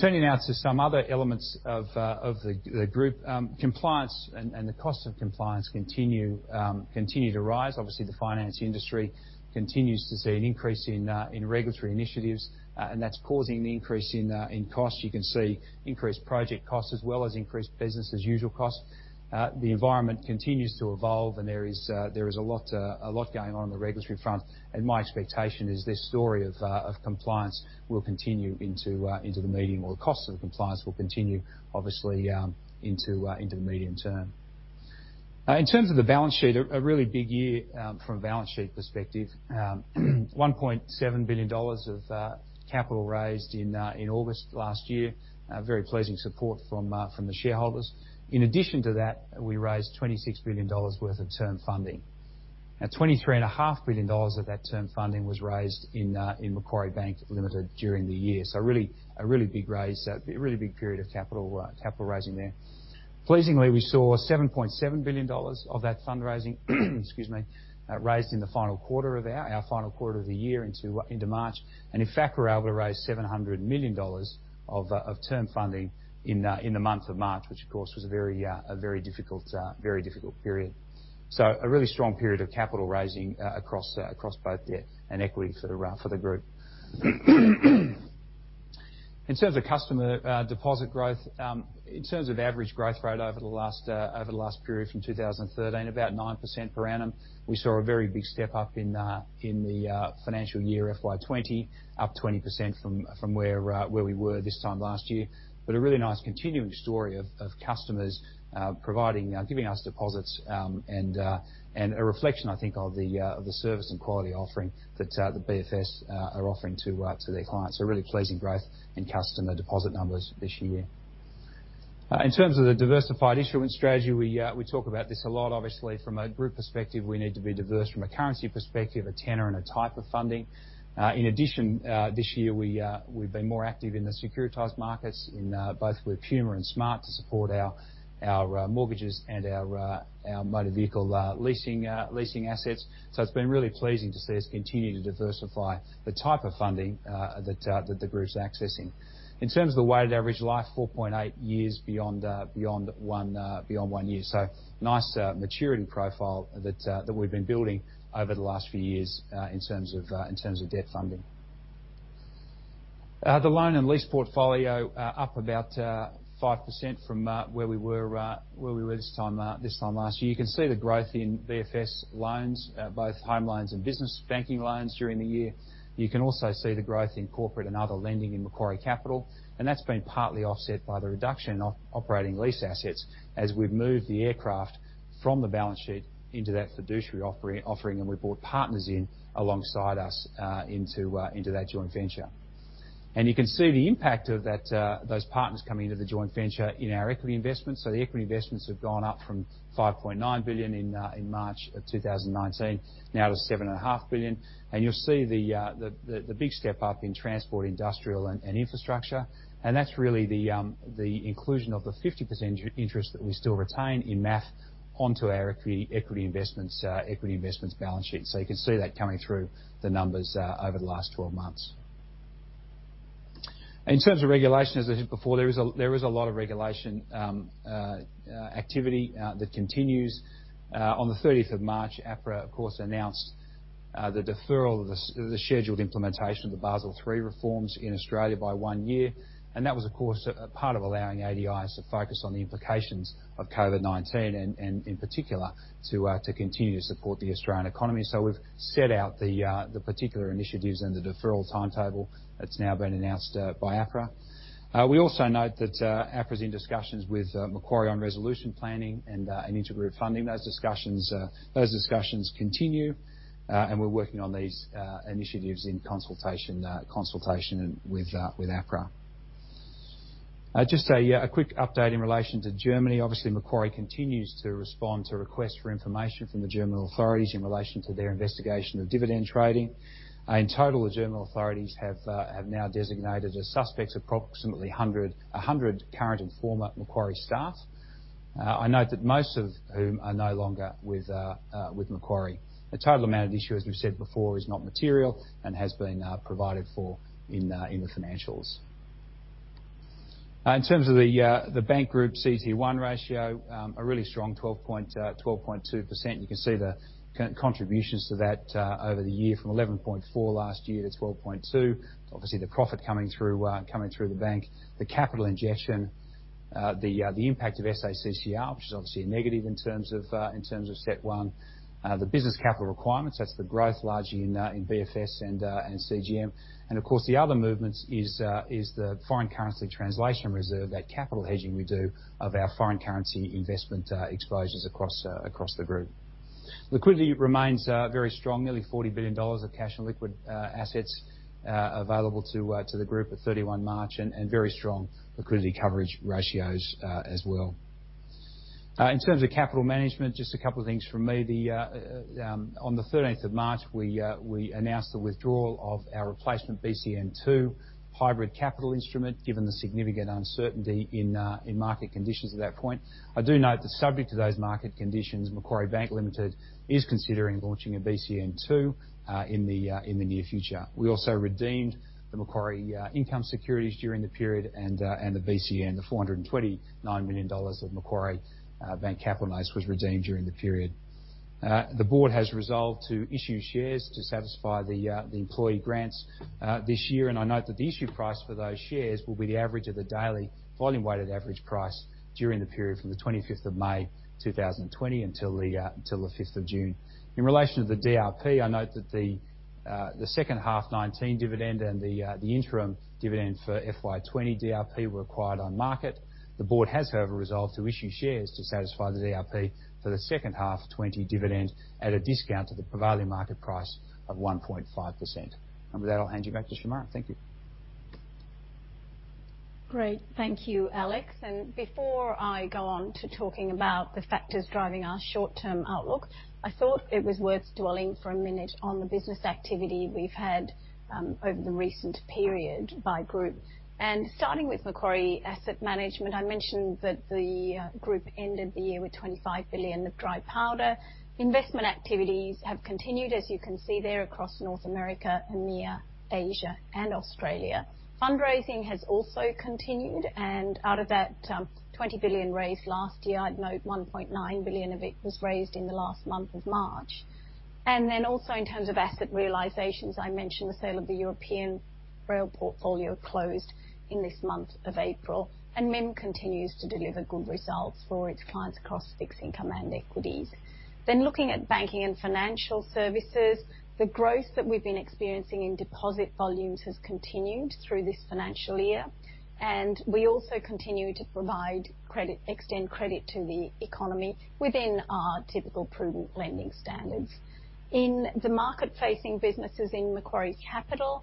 Turning now to some other elements of the group, compliance and the cost of compliance continue to rise. Obviously, the finance industry continues to see an increase in regulatory initiatives, and that's causing the increase in costs. You can see increased project costs as well as increased business as usual costs. The environment continues to evolve and there is, there is a lot, a lot going on on the regulatory front. My expectation is this story of, of compliance will continue into, into the medium or the costs of compliance will continue obviously, into, into the medium term. In terms of the balance sheet, a really big year, from a balance sheet perspective, 1.7 billion dollars of capital raised in August last year, very pleasing support from, from the shareholders. In addition to that, we raised 26 billion dollars worth of term funding. Now, 23.5 billion dollars of that term funding was raised in Macquarie Bank Limited during the year. A really big raise, a really big period of capital, capital raising there. Pleasingly we saw 7.7 billion dollars of that fundraising, excuse me, raised in the final quarter of our final quarter of the year into March. In fact, we were able to raise 700 million dollars of term funding in the month of March, which of course was a very, a very difficult, very difficult period. A really strong period of capital raising, across both debt and equity for the group. In terms of customer deposit growth, in terms of average growth rate over the last period from 2013, about 9% per annum. We saw a very big step-up in the financial year 2020, up 20% from where we were this time last year. A really nice continuing story of customers providing, giving us deposits, and a reflection I think of the service and quality offering that BFS are offering to their clients. Really pleasing growth in customer deposit numbers this year. In terms of the diversified issuance strategy, we talk about this a lot. Obviously, from a group perspective, we need to be diverse from a currency perspective, a tenor, and a type of funding. In addition, this year we've been more active in the securitized markets, both with Puma and Smart to support our mortgages and our motor vehicle leasing assets. It's been really pleasing to see us continue to diversify the type of funding that the group's accessing. In terms of the weighted average life, 4.8 years beyond one, beyond one year. Nice, maturity profile that we've been building over the last few years, in terms of debt funding. The loan and lease portfolio, up about 5% from where we were this time last year. You can see the growth in BFS loans, both home loans and business banking loans during the year. You can also see the growth in corporate and other lending in Macquarie Capital, and that's been partly offset by the reduction in operating lease assets as we've moved the aircraft from the balance sheet into that fiduciary offering, and we brought partners in alongside us into that joint venture. You can see the impact of those partners coming into the joint venture in our equity investments. The equity investments have gone up from 5.9 billion in March of 2019 to 7.5 billion. You'll see the big step-up in transport, industrial, and infrastructure. That's really the inclusion of the 50% interest that we still retain in MAF onto our equity investments balance sheet. You can see that coming through the numbers over the last 12 months. In terms of regulation, as I said before, there is a lot of regulation activity that continues. On the 30th of March, APRA announced the deferral of the scheduled implementation of the Basel III reforms in Australia by one year. That was a part of allowing ADIs to focus on the implications of COVID-19 and in particular to continue to support the Australian economy. We have set out the particular initiatives and the deferral timetable that has now been announced by APRA. We also note that APRA is in discussions with Macquarie on resolution planning and intergroup funding. Those discussions continue, and we are working on these initiatives in consultation with APRA. Just a quick update in relation to Germany. Obviously, Macquarie continues to respond to requests for information from the German authorities in relation to their investigation of dividend trading. In total, the German authorities have now designated as suspects approximately 100 current and former Macquarie staff. I note that most of whom are no longer with Macquarie. The total amount at issue, as we have said before, is not material and has been provided for in the financials. In terms of the bank group CET1 ratio, a really strong 12.2%. You can see the contributions to that, over the year from 11.4 last year to 12.2. Obviously, the profit coming through, coming through the bank, the capital ingestion, the impact of SACCR, which is obviously a negative in terms of, in terms of step one. The business capital requirements, that's the growth largely in BFS and CGM. Of course, the other movement is the foreign currency translation reserve, that capital hedging we do of our foreign currency investment exposures across the group. Liquidity remains very strong, nearly 40 billion dollars of cash and liquid assets available to the group at 31 March, and very strong liquidity coverage ratios as well. In terms of capital management, just a couple of things from me. On the 13th of March, we announced the withdrawal of our replacement BCN2 hybrid capital instrument given the significant uncertainty in market conditions at that point. I do note that subject to those market conditions, Macquarie Bank Limited is considering launching a BCN2 in the near future. We also redeemed the Macquarie Income Securities during the period, and the BCN, the 429 million dollars of Macquarie bank capitalized, was redeemed during the period. The board has resolved to issue shares to satisfy the employee grants this year. I note that the issue price for those shares will be the average of the daily volume weighted average price during the period from the 25th of May 2020 until the 5th of June. In relation to the DRP, I note that the second half 2019 dividend and the interim dividend for FY 2020 DRP were acquired on market. The board has, however, resolved to issue shares to satisfy the DRP for the second half 2020 dividend at a discount to the provided market price of 1.5%. With that, I'll hand you back to Shemara. Thank you. Great. Thank you, Alex. Before I go on to talking about the factors driving our short-term outlook, I thought it was worth dwelling for a minute on the business activity we've had over the recent period by group. Starting with Macquarie Asset Management, I mentioned that the group ended the year with 25 billion of dry powder. Investment activities have continued, as you can see there across North America, EMEA, Asia, and Australia. Fundraising has also continued. Out of that 20 billion raised last year, I'd note 1.9 billion of it was raised in the last month of March. Also, in terms of asset realizations, I mentioned the sale of the European rail portfolio closed in this month of April. MIM continues to deliver good results for its clients across fixed income and equities. Looking at Banking and Financial Services, the growth that we've been experiencing in deposit volumes has continued through this financial year. We also continue to provide credit, extend credit to the economy within our typical prudent lending standards. In the market-facing businesses in Macquarie Capital,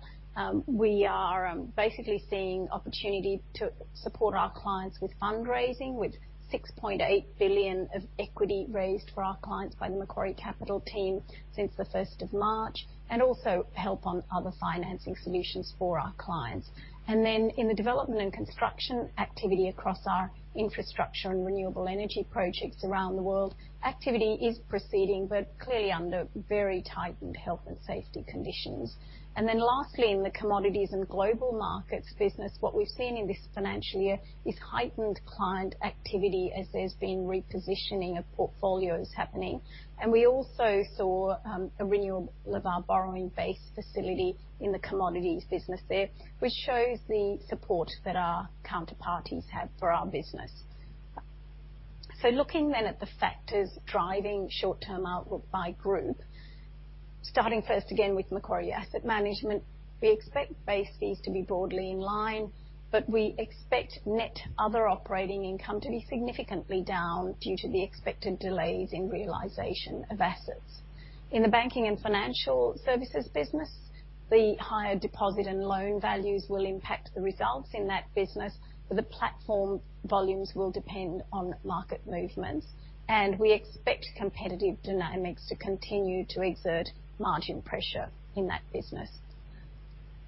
we are basically seeing opportunity to support our clients with fundraising with 6.8 billion of equity raised for our clients by the Macquarie Capital team since the 1st of March, and also help on other financing solutions for our clients. In the development and construction activity across our infrastructure and renewable energy projects around the world, activity is proceeding but clearly under very tightened health and safety conditions. Lastly, in the Commodities and Global Markets business, what we've seen in this financial year is heightened client activity as there's been repositioning of portfolios happening. We also saw a renewal of our borrowing base facility in the commodities business there, which shows the support that our counterparties have for our business. Looking then at the factors driving short-term outlook by group, starting first again with Macquarie Asset Management, we expect base fees to be broadly in line, but we expect net other operating income to be significantly down due to the expected delays in realization of assets. In the Banking and Financial Services business, the higher deposit and loan values will impact the results in that business, but the platform volumes will depend on market movements. We expect competitive dynamics to continue to exert margin pressure in that business.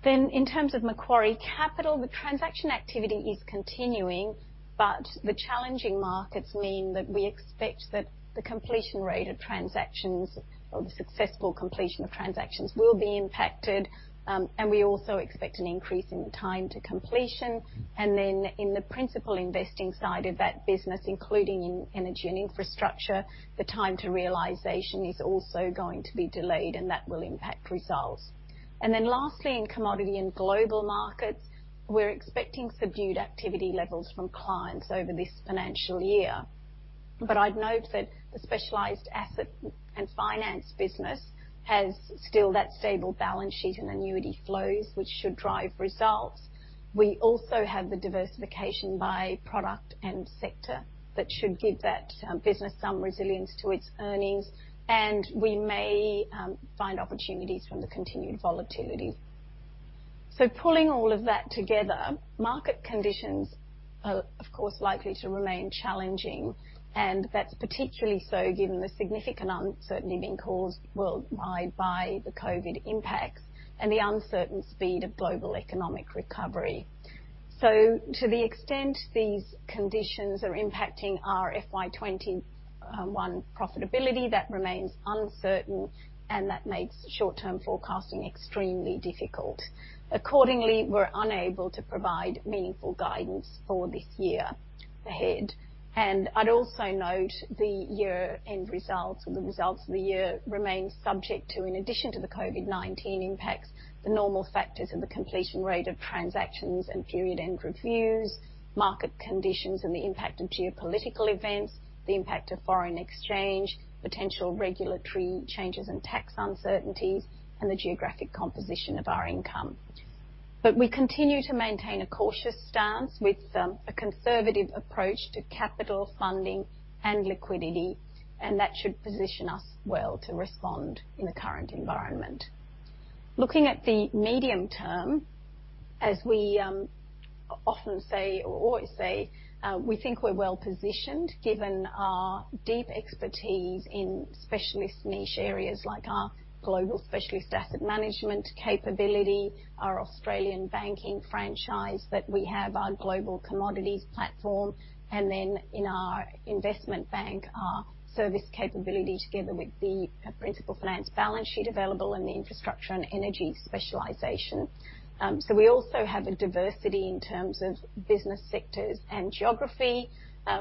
In terms of Macquarie Capital, the transaction activity is continuing, but the challenging markets mean that we expect that the completion rate of transactions or the successful completion of transactions will be impacted. We also expect an increase in the time to completion. In the principal investing side of that business, including in energy and infrastructure, the time to realization is also going to be delayed and that will impact results. Lastly, in Commodities and Global Markets, we're expecting subdued activity levels from clients over this financial year. I'd note that the specialized asset and finance business has still that stable balance sheet and annuity flows, which should drive results. We also have the diversification by product and sector that should give that business some resilience to its earnings. We may find opportunities from the continued volatility. Pulling all of that together, market conditions are, of course, likely to remain challenging. That is particularly so given the significant uncertainty being caused worldwide by the COVID impacts and the uncertain speed of global economic recovery. To the extent these conditions are impacting our FY 2021 profitability, that remains uncertain and that makes short-term forecasting extremely difficult. Accordingly, we are unable to provide meaningful guidance for this year ahead. I would also note the year-end results or the results of the year remain subject to, in addition to the COVID-19 impacts, the normal factors of the completion rate of transactions and period-end reviews, market conditions and the impact of geopolitical events, the impact of foreign exchange, potential regulatory changes and tax uncertainties, and the geographic composition of our income. We continue to maintain a cautious stance with a conservative approach to capital, funding, and liquidity, and that should position us well to respond in the current environment. Looking at the medium term, as we often say or always say, we think we're well positioned given our deep expertise in specialist niche areas like our global specialist asset management capability, our Australian banking franchise that we have, our global commodities platform, and then in our investment bank, our service capability together with the principal finance balance sheet available and the infrastructure and energy specialization. We also have a diversity in terms of business sectors and geography.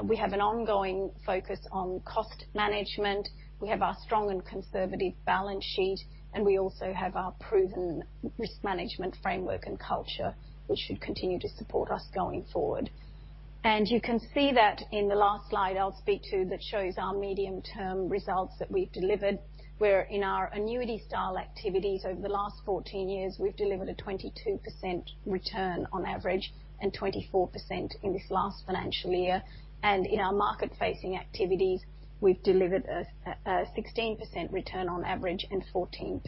We have an ongoing focus on cost management. We have our strong and conservative balance sheet, and we also have our proven risk management framework and culture, which should continue to support us going forward. You can see that in the last slide I'll speak to that shows our medium-term results that we've delivered. Where in our annuity-style activities over the last 14 years, we've delivered a 22% return on average and 24% in this last financial year. In our market-facing activities, we've delivered a 16% return on average and 14%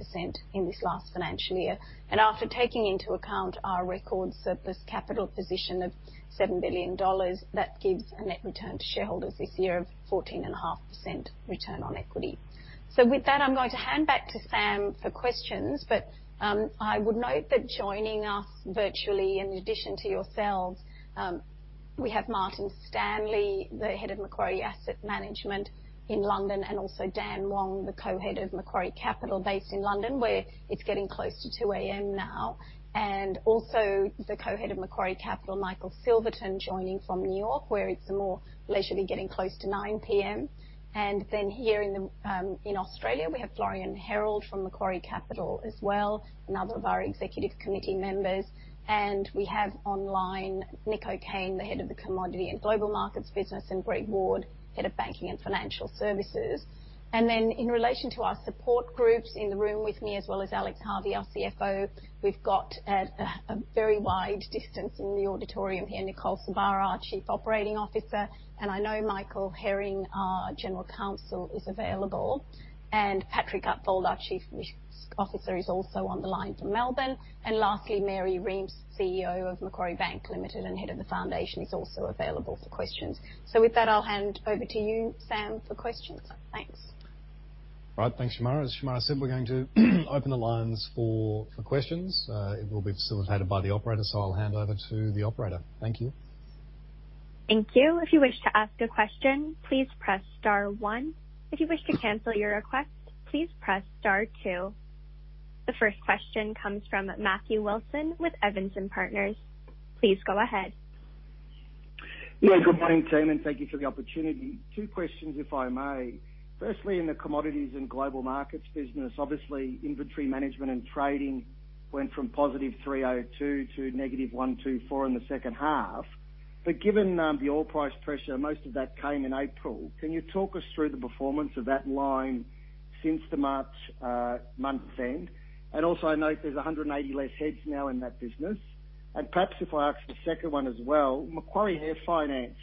in this last financial year. After taking into account our record surplus capital position of 7 billion dollars, that gives a net return to shareholders this year of 14.5% return on equity. With that, I'm going to hand back to Sam for questions. I would note that joining us virtually in addition to yourselves, we have Martin Stanley, the Head of Macquarie Asset Management in London, and also Dan Wong, the Co-head of Macquarie Capital based in London, where it's getting close to 2:00 A.M. now. Also the Co-Head of Macquarie Capital, Michael Silverton, joining from New York, where it's more leisurely getting close to 9:00 P.M. Here in Australia, we have Florian Herold from Macquarie Capital as well, another of our executive committee members. We have online Nicole Kong, the Head of the Commodities and Global Markets business, and Greg Ward, Head of Banking and Financial Services. In relation to our support groups in the room with me, as well as Alex Harvey, our CFO, we've got at a very wide distance in the auditorium here, Nicole Sorbara, our Chief Operating Officer. I know Michael Herring, our General Counsel, is available. Patrick Upfold, our Chief Risk Officer, is also on the line from Melbourne. Lastly, Mary Reemts, CEO of Macquarie Bank Limited and Head of the Foundation, is also available for questions. With that, I'll hand over to you, Sam, for questions. Thanks. All right. Thanks, Shemara. As Shemara said, we're going to open the lines for questions. It will be facilitated by the operator, so I'll hand over to the operator. Thank you. Thank you. If you wish to ask a question, please press star one. If you wish to cancel your request, please press star two. The first question comes from Matthew Wilson with Evans & Partners. Please go ahead. Yeah, good morning, Tim, and thank you for the opportunity. Two questions, if I may. Firstly, in the Commodities and Global Markets business, obviously inventory management and trading went from +302 to -124 in the second half. Given the oil price pressure, most of that came in April. Can you talk us through the performance of that line since the March month end? I also note there's 180 less heads now in that business. Perhaps if I ask the second one as well, Macquarie Air Finance,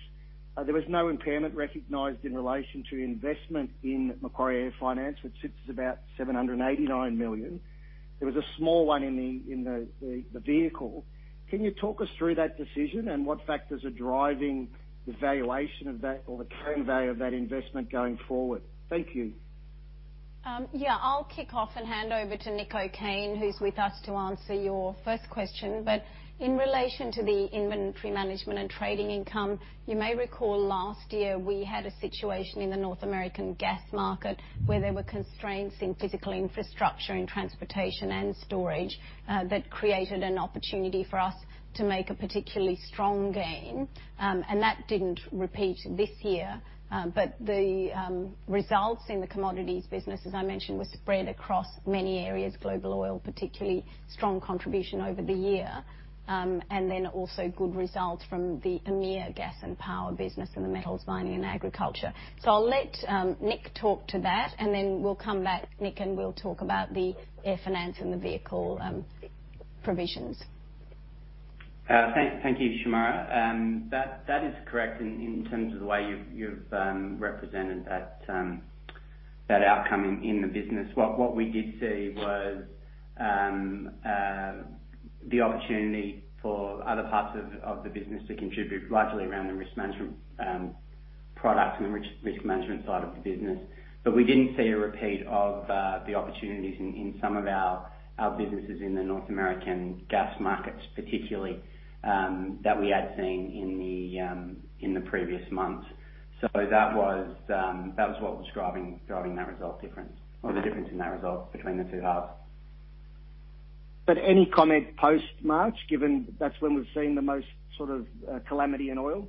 there was no impairment recognized in relation to investment in Macquarie Air Finance, which sits at about 789 million. There was a small one in the vehicle. Can you talk us through that decision and what factors are driving the valuation of that or the current value of that investment going forward? Thank you. Yeah, I'll kick off and hand over to Nick O'Kane, who's with us to answer your first question. In relation to the inventory management and trading income, you may recall last year we had a situation in the North American gas market where there were constraints in physical infrastructure and transportation and storage, that created an opportunity for us to make a particularly strong gain. That did not repeat this year. The results in the commodities business, as I mentioned, were spread across many areas, global oil, particularly strong contribution over the year. There were also good results from the EMEA gas and power business and the metals, mining, and agriculture. I'll let Nick talk to that, and then we'll come back, Nick, and we'll talk about the air finance and the vehicle provisions. Thank you, Shemara. That is correct in terms of the way you've represented that outcome in the business. What we did see was the opportunity for other parts of the business to contribute largely around the risk management product and the risk management side of the business. We didn't see a repeat of the opportunities in some of our businesses in the North American gas markets, particularly, that we had seen in the previous months. That was what was driving that result difference or the difference in that result between the two halves. Any comment post-March, given that's when we've seen the most sort of calamity in oil?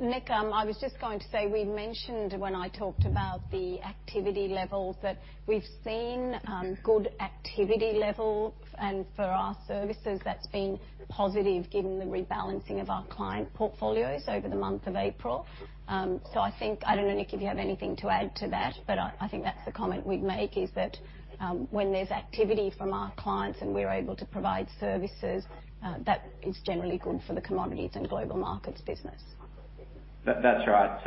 Nick, I was just going to say we mentioned when I talked about the activity levels that we've seen, good activity level. For our services, that's been positive given the rebalancing of our client portfolios over the month of April. I think, I don't know, Nick, if you have anything to add to that, but I think that's the comment we'd make is that, when there's activity from our clients and we're able to provide services, that is generally good for the Commodities and Global Markets business. That's right.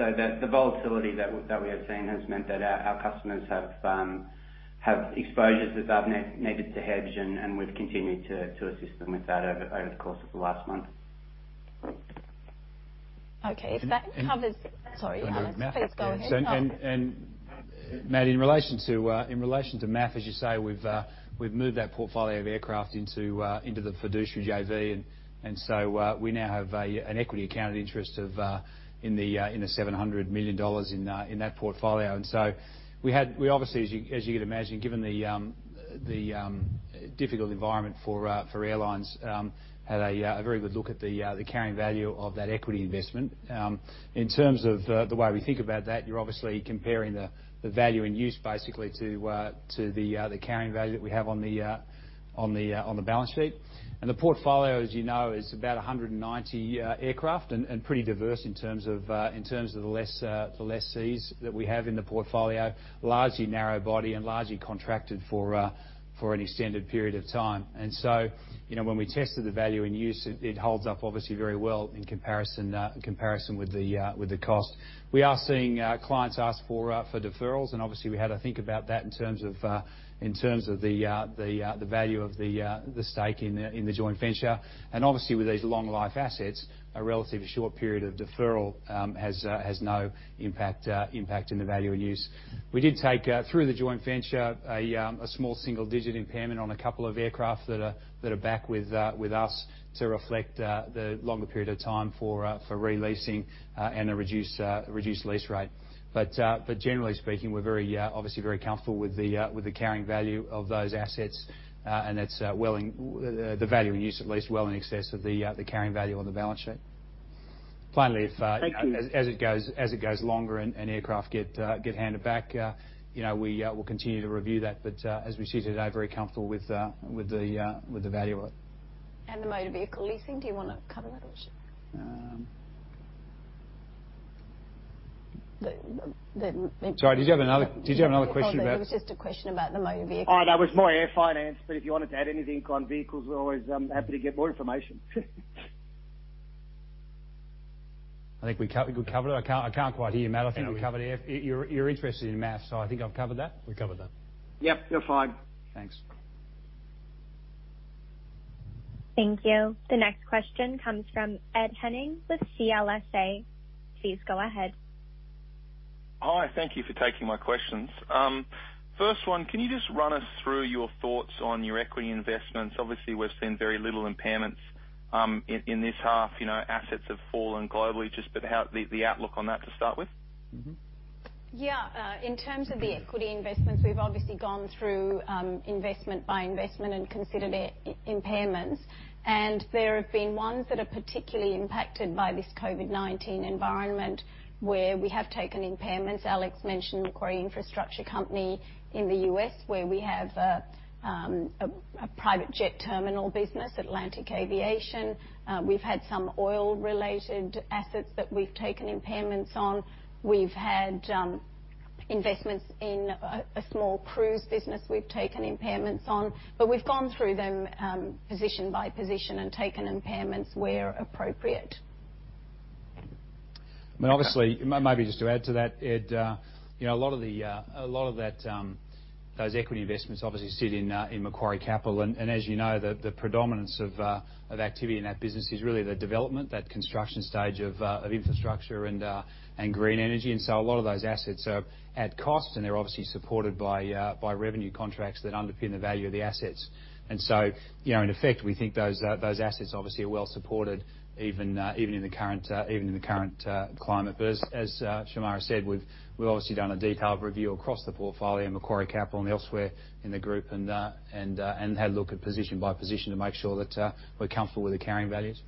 The volatility that we have seen has meant that our customers have exposures that they've needed to hedge, and we've continued to assist them with that over the course of the last month. Okay. If that covers, sorry, Alex, please go ahead. Matt, in relation to MAF, as you say, we've moved that portfolio of aircraft into the fiduciary JV. We now have an equity account of interest of, in the 700 million dollars in that portfolio. We obviously, as you could imagine, given the difficult environment for airlines, had a very good look at the carrying value of that equity investment. In terms of the way we think about that, you're obviously comparing the value in use basically to the carrying value that we have on the balance sheet. The portfolio, as you know, is about 190 aircraft and pretty diverse in terms of the lessees that we have in the portfolio, largely narrow body and largely contracted for an extended period of time. You know, when we tested the value in use, it holds up obviously very well in comparison with the cost. We are seeing clients ask for deferrals. Obviously, we had to think about that in terms of the value of the stake in the joint venture. Obviously, with these long-life assets, a relatively short period of deferral has no impact in the value in use. We did take, through the joint venture, a small single-digit impairment on a couple of aircraft that are back with us to reflect the longer period of time for releasing, and a reduced lease rate. Generally speaking, we're very, obviously very comfortable with the carrying value of those assets, and that's well in the value in use, at least well in excess of the carrying value on the balance sheet. Finally, if, Thank you. As it goes longer and aircraft get handed back, you know, we will continue to review that. As we see today, very comfortable with the value of it. Motor vehicle leasing, do you want to cover that or should? The, the. Sorry, did you have another? Did you have another question about? No, it was just a question about the motor vehicle. Oh, that was more air finance. If you wanted to add anything on vehicles, we're always happy to get more information. I think we could cover that. I can't, I can't quite hear you, Matt. I think we covered air. Thank you. You're interested in MAF, so I think I've covered that. We covered that. Yep, you're fine. Thanks. Thank you. The next question comes from Ed Henning with CLSA. Please go ahead. Hi, thank you for taking my questions. First one, can you just run us through your thoughts on your equity investments? Obviously, we've seen very little impairments in this half. You know, assets have fallen globally. Just how the outlook on that to start with? Mm-hmm. Yeah. In terms of the equity investments, we've obviously gone through, investment by investment and considered impairments. There have been ones that are particularly impacted by this COVID-19 environment where we have taken impairments. Alex mentioned Macquarie Infrastructure Company in the US where we have a private jet terminal business, Atlantic Aviation. We've had some oil-related assets that we've taken impairments on. We've had investments in a small cruise business we've taken impairments on. We've gone through them, position by position and taken impairments where appropriate. I mean, obviously, maybe just to add to that, Ed, you know, a lot of the, a lot of that, those equity investments obviously sit in, in Macquarie Capital. And, as you know, the predominance of, of activity in that business is really the development, that construction stage of, of infrastructure and, and green energy. And so a lot of those assets are at cost, and they're obviously supported by, by revenue contracts that underpin the value of the assets. And so, you know, in effect, we think those, those assets obviously are well supported even, even in the current, even in the current, climate. As Shemara said, we've, we've obviously done a detailed review across the portfolio in Macquarie Capital and elsewhere in the group and, and had a look at position by position to make sure that, we're comfortable with the carrying values.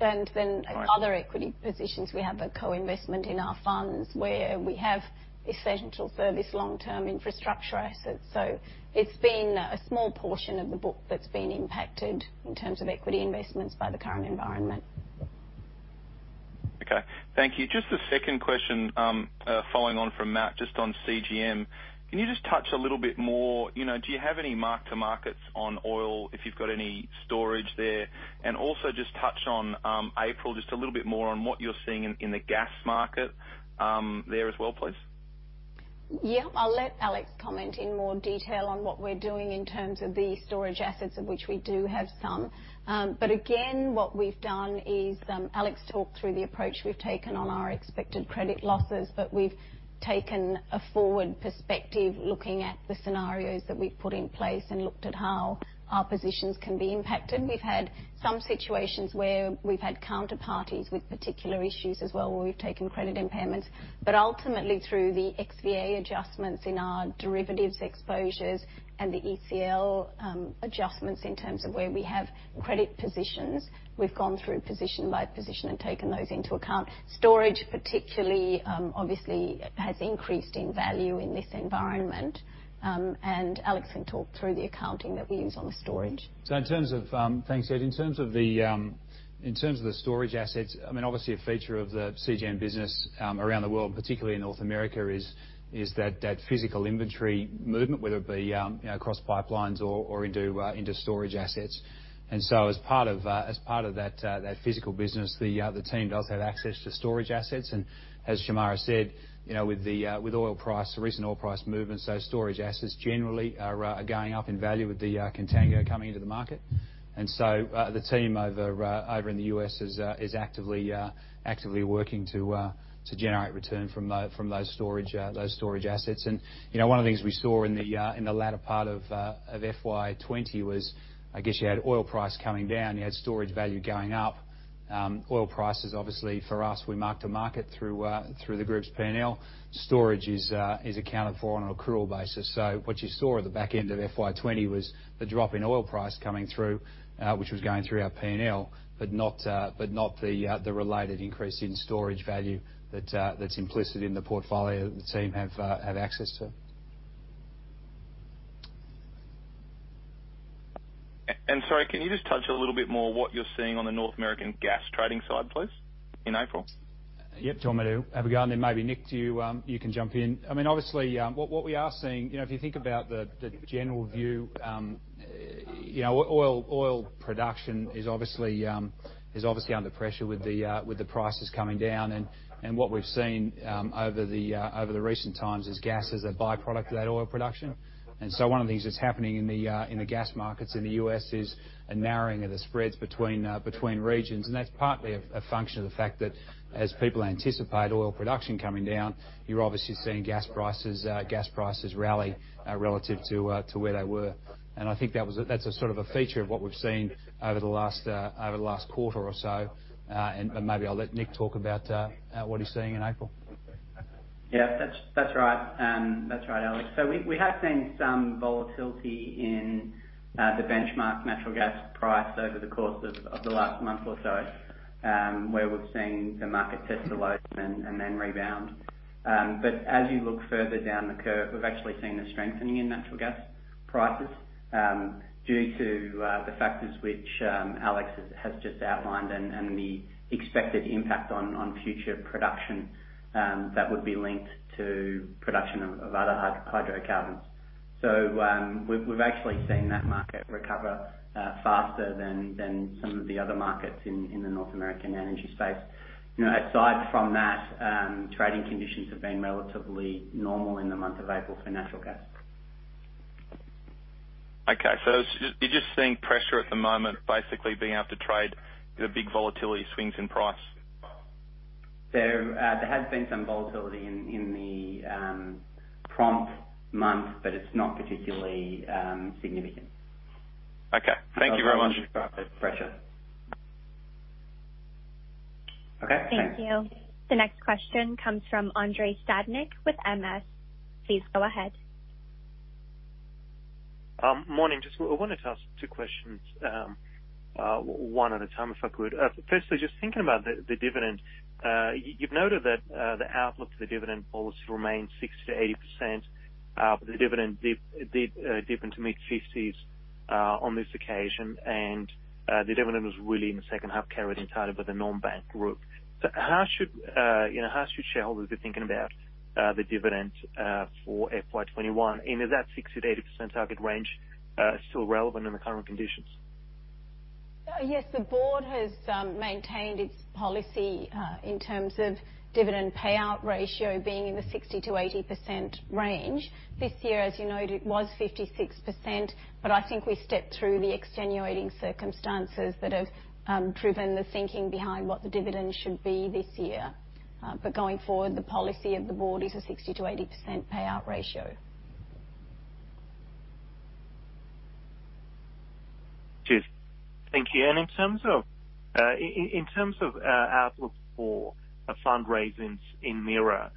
and then other equity positions. We have a co-investment in our funds where we have essential service long-term infrastructure assets. It has been a small portion of the book that has been impacted in terms of equity investments by the current environment. Okay. Thank you. Just a second question, following on from Matt, just on CGM. Can you just touch a little bit more, you know, do you have any mark-to-markets on oil if you've got any storage there? Also just touch on, April, just a little bit more on what you're seeing in, in the gas market there as well, please. Yeah. I'll let Alex comment in more detail on what we're doing in terms of the storage assets, of which we do have some. What we've done is, Alex talked through the approach we've taken on our expected credit losses, but we've taken a forward perspective looking at the scenarios that we've put in place and looked at how our positions can be impacted. We've had some situations where we've had counterparties with particular issues as well where we've taken credit impairments. Ultimately, through the XVA adjustments in our derivatives exposures and the ECL adjustments in terms of where we have credit positions, we've gone through position by position and taken those into account. Storage, particularly, obviously has increased in value in this environment. Alex can talk through the accounting that we use on the storage. In terms of the, thanks, Ed. In terms of the, in terms of the storage assets, I mean, obviously a feature of the CGM business, around the world, particularly in North America, is that physical inventory movement, whether it be, you know, across pipelines or into storage assets. As part of that physical business, the team does have access to storage assets. As Shemara said, you know, with the oil price, the recent oil price movement, storage assets generally are going up in value with the contango coming into the market. The team over in the US is actively working to generate return from those storage assets. You know, one of the things we saw in the latter part of FY 2020 was, I guess you had oil price coming down, you had storage value going up. Oil prices, obviously for us, we mark-to-market through the group's P&L. Storage is accounted for on an accrual basis. What you saw at the back end of FY 2020 was the drop in oil price coming through, which was going through our P&L, but not the related increase in storage value that is implicit in the portfolio that the team have access to. Sorry, can you just touch a little bit more what you're seeing on the North American gas trading side, please, in April? Yep, Tom, it'll have a go. And then maybe Nick, do you, you can jump in. I mean, obviously, what we are seeing, you know, if you think about the, the general view, you know, oil, oil, oil production is obviously, is obviously under pressure with the, with the prices coming down. What we've seen, over the, over the recent times is gas as a byproduct of that oil production. One of the things that's happening in the, in the gas markets in the US is a narrowing of the spreads between, between regions. That's partly a, a function of the fact that as people anticipate oil production coming down, you're obviously seeing gas prices, gas prices rally, relative to, to where they were. I think that was a, that's a sort of a feature of what we've seen over the last, over the last quarter or so. Maybe I'll let Nick talk about what he's seeing in April. Yeah, that's right. That's right, Alex. So we have seen some volatility in the benchmark natural gas price over the course of the last month or so, where we've seen the market test the lows and then rebound. As you look further down the curve, we've actually seen a strengthening in natural gas prices, due to the factors which Alex has just outlined and the expected impact on future production that would be linked to production of other hydrocarbons. We've actually seen that market recover faster than some of the other markets in the North American energy space. You know, aside from that, trading conditions have been relatively normal in the month of April for natural gas. Okay. So it's, you're just seeing pressure at the moment, basically being able to trade the big volatility swings in price? There has been some volatility in the prompt month, but it's not particularly significant. Okay. Thank you very much. There's pressure. Okay. Thanks. Thank you. The next question comes from Andrei Stadnik with MS. Please go ahead. Morning. We wanted to ask two questions, one at a time if I could. Firstly, just thinking about the dividend, you've noted that the outlook for the dividend policy remains 60%-80%. The dividend did dip into mid 50% on this occasion. The dividend was really in the second half carried entirely by the non-bank group. How should shareholders be thinking about the dividend for FY 2021? Is that 60%-80% target range still relevant in the current conditions? Yes, the board has maintained its policy, in terms of dividend payout ratio being in the 60%-80% range. This year, as you noted, it was 56%. I think we stepped through the extenuating circumstances that have driven the thinking behind what the dividend should be this year. Going forward, the policy of the board is a 60%-80% payout ratio. Cheers. Thank you. In terms of outlook for fundraisers in MAM,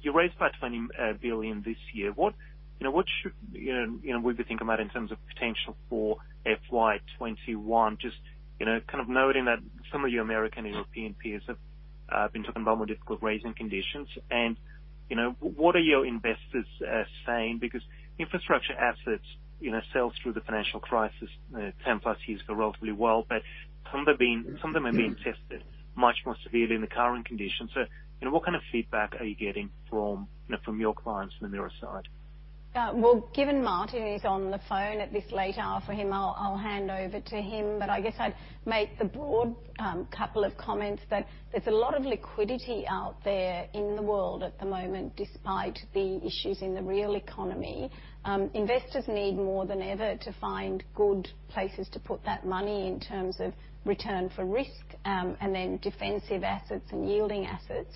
you raised about 20 billion this year. What, you know, what should, you know, we've been thinking about in terms of potential for FY 2021, just, you know, kind of noting that some of your American and European peers have been talking about more difficult raising conditions. You know, what are your investors saying? Because infrastructure assets, you know, sold through the financial crisis 10 plus years ago relatively well. Some of them have been tested much more severely in the current conditions. You know, what kind of feedback are you getting from your clients in the MAM side? Given Martin is on the phone at this late hour for him, I'll hand over to him. I guess I'd make the broad, couple of comments that there's a lot of liquidity out there in the world at the moment despite the issues in the real economy. Investors need more than ever to find good places to put that money in terms of return for risk, and then defensive assets and yielding assets.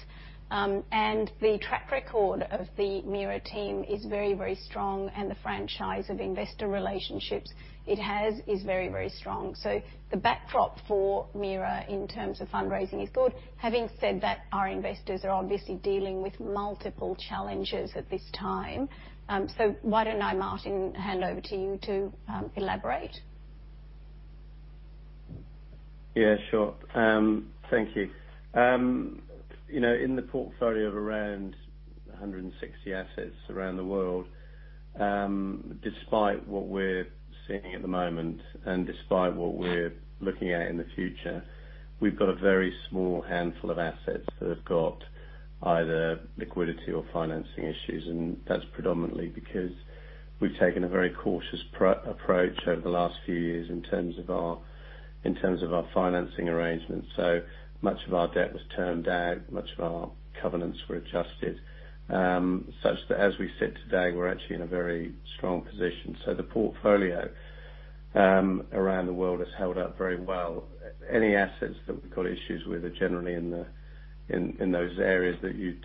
The track record of the MAM team is very, very strong. The franchise of investor relationships it has is very, very strong. The backdrop for MAM in terms of fundraising is good. Having said that, our investors are obviously dealing with multiple challenges at this time. Why don't I, Martin, hand over to you to elaborate? Yeah, sure. Thank you. You know, in the portfolio of around 160 assets around the world, despite what we're seeing at the moment and despite what we're looking at in the future, we've got a very small handful of assets that have got either liquidity or financing issues. That's predominantly because we've taken a very cautious approach over the last few years in terms of our financing arrangements. Much of our debt was termed out, much of our covenants were adjusted, such that as we sit today, we're actually in a very strong position. The portfolio around the world has held up very well. Any assets that we've got issues with are generally in those areas that you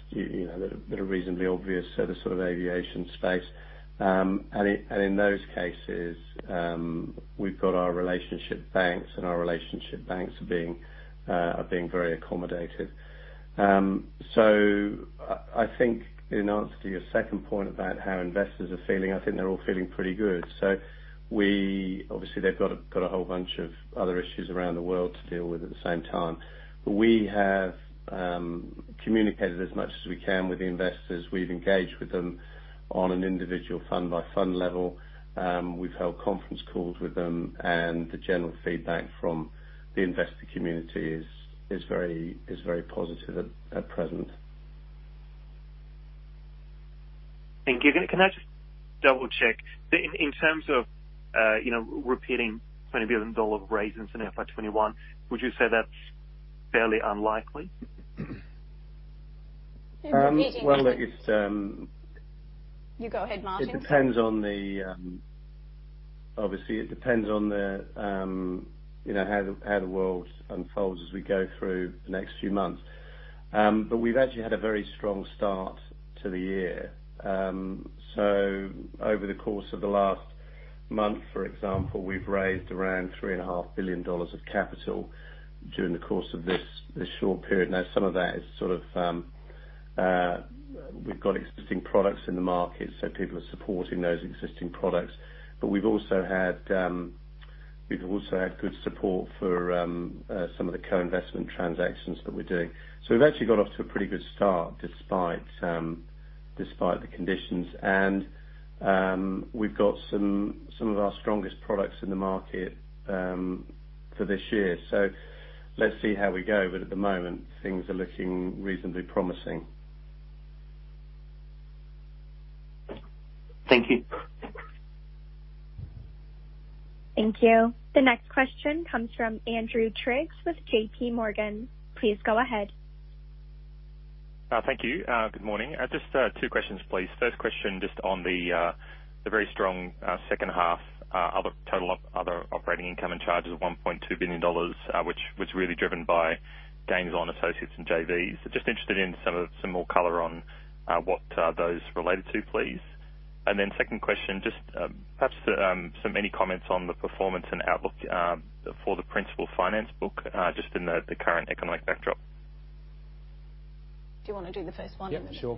know that are reasonably obvious. The sort of aviation space, and in those cases, we've got our relationship banks and our relationship banks are being very accommodating. I think in answer to your second point about how investors are feeling, I think they're all feeling pretty good. They obviously have a whole bunch of other issues around the world to deal with at the same time. We have communicated as much as we can with the investors. We've engaged with them on an individual fund-by-fund level. We've held conference calls with them. The general feedback from the investor community is very positive at present. Thank you. Can I just double-check? In terms of, you know, repeating 20 billion dollar raisings in FY 2021, would you say that's fairly unlikely? well, it's, You go ahead, Martin. It depends on the, obviously, it depends on the, you know, how the, how the world unfolds as we go through the next few months. We've actually had a very strong start to the year. Over the course of the last month, for example, we've raised around 3.5 billion dollars of capital during the course of this short period. Some of that is sort of, we've got existing products in the market, so people are supporting those existing products. We've also had good support for some of the co-investment transactions that we're doing. We've actually got off to a pretty good start despite the conditions. We've got some of our strongest products in the market for this year. Let's see how we go. At the moment, things are looking reasonably promising. Thank you. Thank you. The next question comes from Andrew Triggs with JPMorgan. Please go ahead. Thank you. Good morning. Just two questions, please. First question just on the very strong second half, other total of other operating income and charges of 1.2 billion dollars, which was really driven by gains on associates and JVs. Just interested in some more color on what those related to, please. And then second question, just perhaps any comments on the performance and outlook for the principal finance book, just in the current economic backdrop. Do you want to do the first one? Yeah, sure.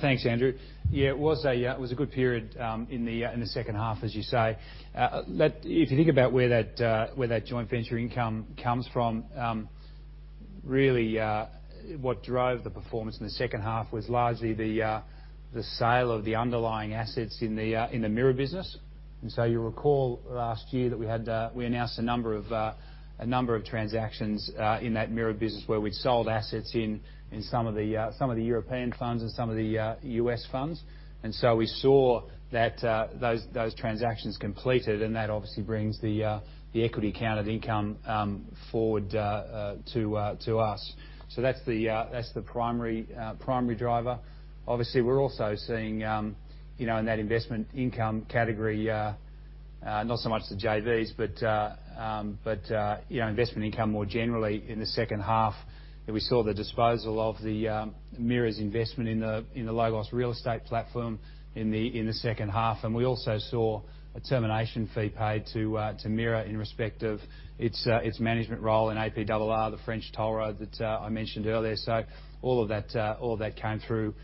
Thanks, Andrew. Yeah, it was a good period, in the second half, as you say. If you think about where that joint venture income comes from, really, what drove the performance in the second half was largely the sale of the underlying assets in the mirror business. You'll recall last year that we announced a number of transactions in that mirror business where we'd sold assets in some of the European funds and some of the US funds. We saw those transactions completed. That obviously brings the equity-counted income forward to us. That's the primary driver. Obviously, we're also seeing, you know, in that investment income category, not so much the JVs, but, you know, investment income more generally in the second half that we saw the disposal of the MIRA's investment in the Logos real estate platform in the, in the second half. We also saw a termination fee paid to MIRA in respect of its management role in APRR, the French toll road that I mentioned earlier. All of that came through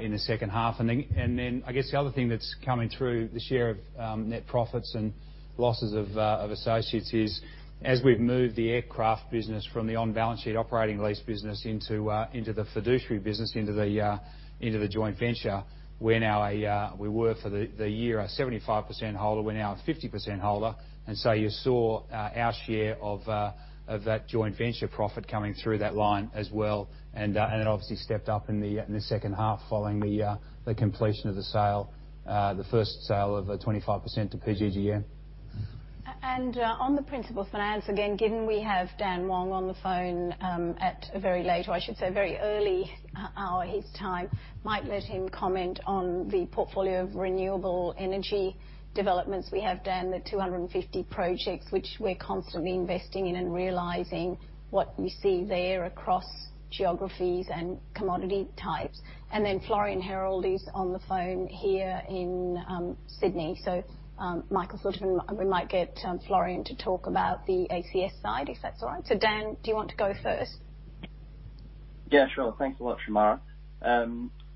in the second half. I guess the other thing that's coming through this year of net profits and losses of associates is as we've moved the aircraft business from the on-balance sheet operating lease business into the fiduciary business, into the joint venture, we're now a, we were for the year a 75% holder. We're now a 50% holder. You saw our share of that joint venture profit coming through that line as well. It obviously stepped up in the second half following the completion of the sale, the first sale of 25% to PGGM. And, on the principal finance, again, given we have Dan Wong on the phone, at a very late or I should say very early hour his time, might let him comment on the portfolio of renewable energy developments. We have down the 250 projects which we're constantly investing in and realizing what you see there across geographies and commodity types. Then Florian Herold is on the phone here in Sydney. So, Michael Silverton, we might get Florian to talk about the ACS side if that's all right. Dan, do you want to go first? Yeah, sure. Thanks a lot, Shemara.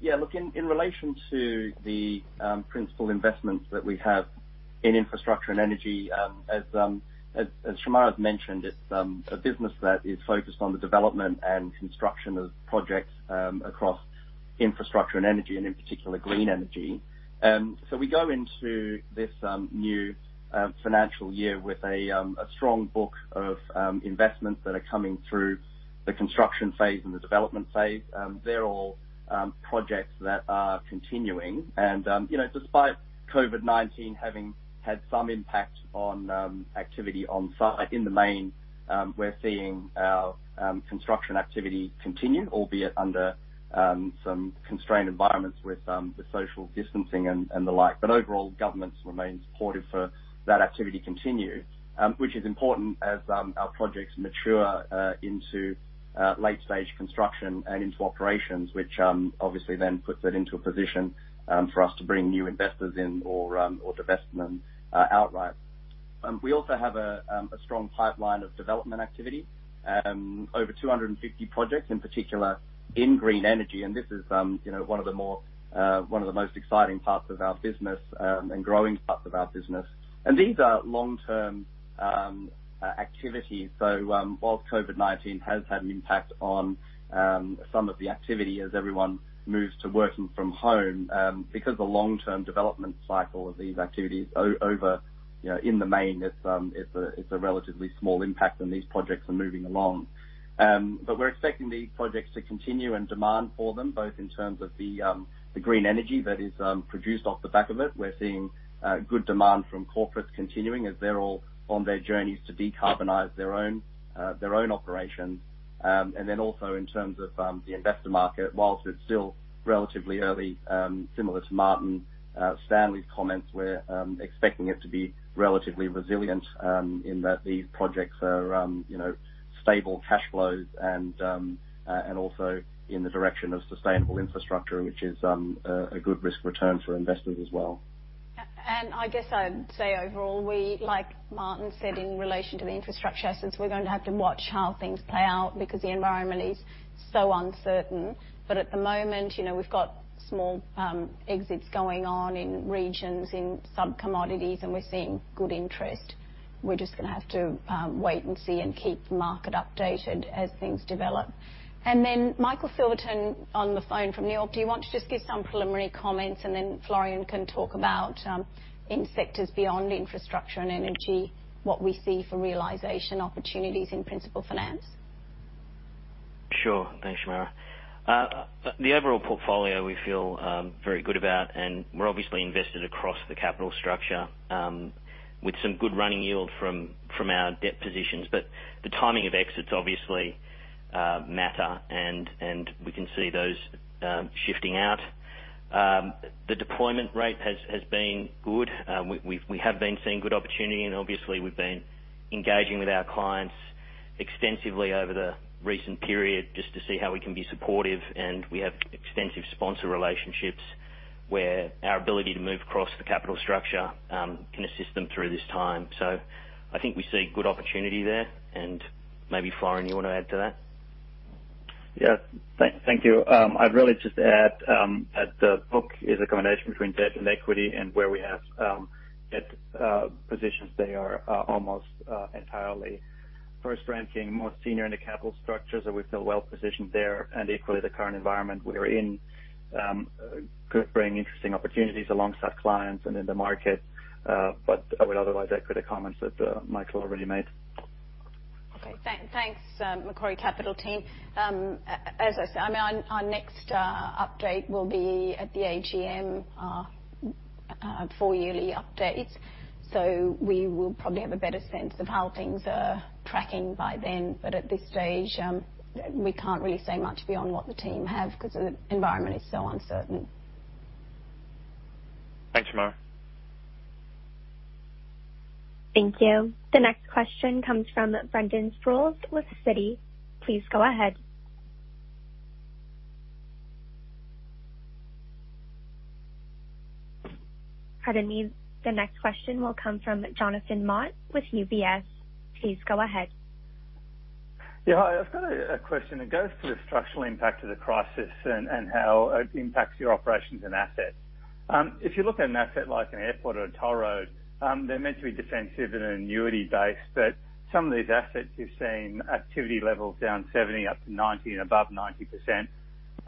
Yeah, look, in relation to the principal investments that we have in infrastructure and energy, as Shemara has mentioned, it's a business that is focused on the development and construction of projects across infrastructure and energy and in particular green energy. We go into this new financial year with a strong book of investments that are coming through the construction phase and the development phase. They're all projects that are continuing. And, you know, despite COVID-19 having had some impact on activity on site, in the main, we're seeing our construction activity continue, albeit under some constrained environments with the social distancing and the like. Overall, governments remain supportive for that activity to continue, which is important as our projects mature into late-stage construction and into operations, which obviously then puts it into a position for us to bring new investors in or to invest in them outright. We also have a strong pipeline of development activity, over 250 projects in particular in green energy. And this is, you know, one of the more, one of the most exciting parts of our business, and growing parts of our business. These are long-term activities. While COVID-19 has had an impact on some of the activity as everyone moves to working from home, because the long-term development cycle of these activities, in the main, it's a relatively small impact and these projects are moving along. We're expecting these projects to continue and demand for them both in terms of the green energy that is produced off the back of it. We're seeing good demand from corporates continuing as they're all on their journeys to decarbonize their own operations. Also, in terms of the investor market, whilst it's still relatively early, similar to Martin Stanley's comments, we're expecting it to be relatively resilient, in that these projects are, you know, stable cash flows and also in the direction of sustainable infrastructure, which is a good risk-return for investors as well. I guess I'd say overall, we like Martin said in relation to the infrastructure assets, we're going to have to watch how things play out because the environment is so uncertain. At the moment, you know, we've got small exits going on in regions in sub-commodities and we're seeing good interest. We're just going to have to wait and see and keep the market updated as things develop. Michael Silverton on the phone from New York, do you want to just give some preliminary comments and then Florian can talk about, in sectors beyond infrastructure and energy, what we see for realization opportunities in principal finance? Sure. Thanks, Shemara. The overall portfolio we feel very good about. And we're obviously invested across the capital structure, with some good running yield from our debt positions. The timing of exits obviously matter, and we can see those shifting out. The deployment rate has been good. We have been seeing good opportunity. And obviously, we've been engaging with our clients extensively over the recent period just to see how we can be supportive. We have extensive sponsor relationships where our ability to move across the capital structure can assist them through this time. I think we see good opportunity there. Maybe Florian, you want to add to that? Thank you. I'd really just add that the book is a combination between debt and equity and where we have debt positions, they are almost entirely first ranking, most senior in the capital structures. We feel well-positioned there. Equally, the current environment we're in could bring interesting opportunities alongside clients and in the market. I would otherwise echo the comments that Michael already made. Okay. Thanks, Macquarie Capital team. As I said, I mean, our, our next update will be at the AGM, four-yearly updates. We will probably have a better sense of how things are tracking by then. At this stage, we can't really say much beyond what the team have because the environment is so uncertain. Thanks, Shemara. Thank you. The next question comes from Brendan Sproules with Citi. Please go ahead. Pardon me. The next question will come from Jonathan Mott with UBS. Please go ahead. Yeah. Hi, I've got a question that goes to the structural impact of the crisis and how it impacts your operations and assets. If you look at an asset like an airport or a toll road, they're meant to be defensive and annuity-based. But some of these assets you've seen activity levels down 70%, up to 90%, and above 90%.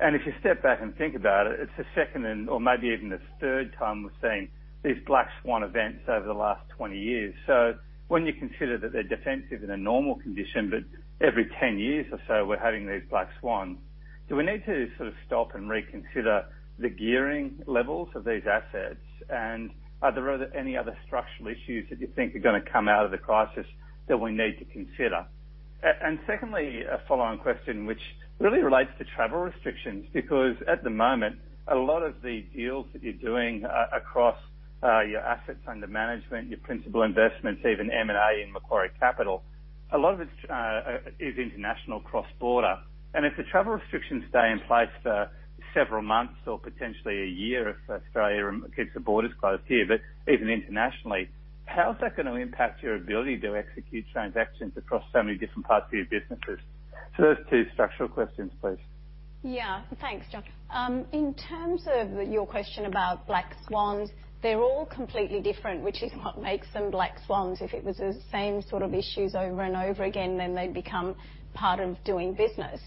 If you step back and think about it, it's the second and or maybe even the third time we've seen these black swan events over the last 20 years. When you consider that they're defensive in a normal condition, but every 10 years or so we're having these black swans, do we need to sort of stop and reconsider the gearing levels of these assets? Are there any other structural issues that you think are going to come out of the crisis that we need to consider? A following question which really relates to travel restrictions because at the moment, a lot of the deals that you're doing, across your assets under management, your principal investments, even M&A in Macquarie Capital, a lot of it is international cross-border. If the travel restrictions stay in place for several months or potentially a year if Australia gets the borders closed here, but even internationally, how's that going to impact your ability to execute transactions across so many different parts of your businesses? Those two structural questions, please. Yeah. Thanks, Jon. In terms of your question about black swans, they're all completely different, which is what makes them black swans. If it was the same sort of issues over and over again, they'd become part of doing business.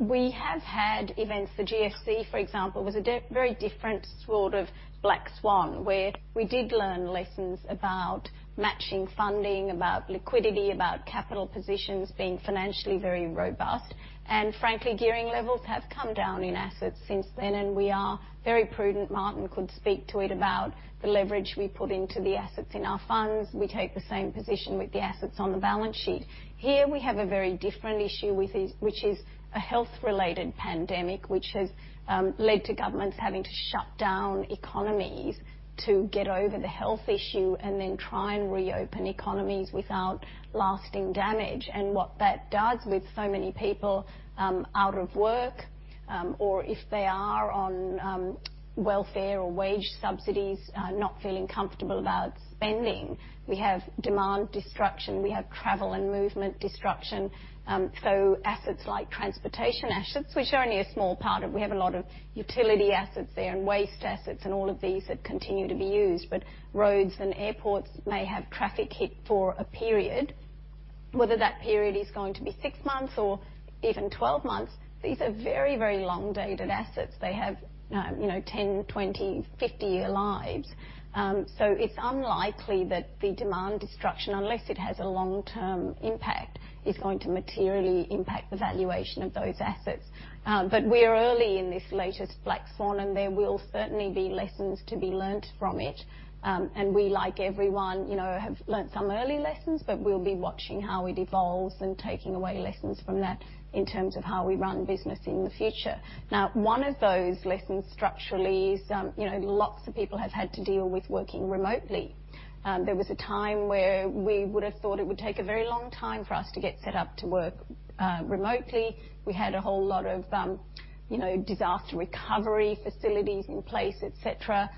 We have had events. The GFC, for example, was a very different sort of black swan where we did learn lessons about matching funding, about liquidity, about capital positions being financially very robust. Frankly, gearing levels have come down in assets since then. We are very prudent. Martin could speak to it about the leverage we put into the assets in our funds. We take the same position with the assets on the balance sheet. Here, we have a very different issue with these, which is a health-related pandemic which has led to governments having to shut down economies to get over the health issue and then try and reopen economies without lasting damage. What that does with so many people out of work, or if they are on welfare or wage subsidies, not feeling comfortable about spending. We have demand destruction. We have travel and movement destruction. Assets like transportation assets, which are only a small part of what we have, a lot of utility assets there and waste assets and all of these that continue to be used. Roads and airports may have traffic hit for a period. Whether that period is going to be 6 months or even 12 months, these are very, very long-dated assets. They have, you know, 10, 20, 50-year lives. It is unlikely that the demand destruction, unless it has a long-term impact, is going to materially impact the valuation of those assets. We are early in this latest black swan. There will certainly be lessons to be learned from it. We, like everyone, you know, have learned some early lessons. We will be watching how it evolves and taking away lessons from that in terms of how we run business in the future. One of those lessons structurally is, you know, lots of people have had to deal with working remotely. There was a time where we would have thought it would take a very long time for us to get set up to work remotely. We had a whole lot of, you know, disaster recovery facilities in place, etc.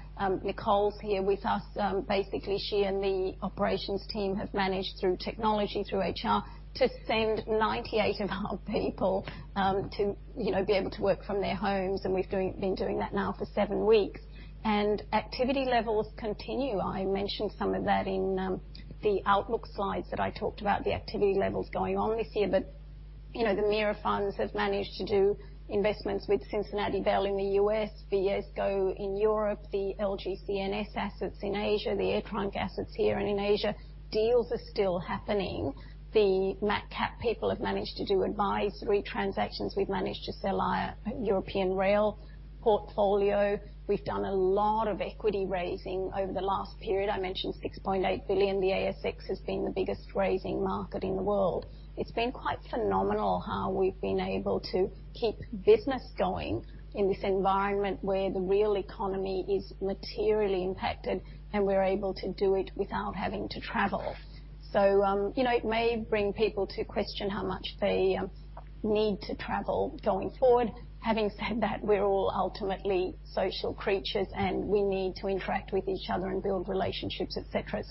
Nicole's here with us. Basically, she and the operations team have managed through technology, through HR, to send 98 of our people, to, you know, be able to work from their homes. We've been doing that now for seven weeks. Activity levels continue. I mentioned some of that in the Outlook slides that I talked about, the activity levels going on this year. You know, the MAM funds have managed to do investments with Cincinnati Bell in the US, Viesco in Europe, the LGCNS assets in Asia, the AirTrunk assets here and in Asia. Deals are still happening. The Macquarie Capital people have managed to do advisory transactions. We've managed to sell our European rail portfolio. We've done a lot of equity raising over the last period. I mentioned 6.8 billion. The ASX has been the biggest raising market in the world. It's been quite phenomenal how we've been able to keep business going in this environment where the real economy is materially impacted and we're able to do it without having to travel. You know, it may bring people to question how much they need to travel going forward. Having said that, we're all ultimately social creatures and we need to interact with each other and build relationships, etc.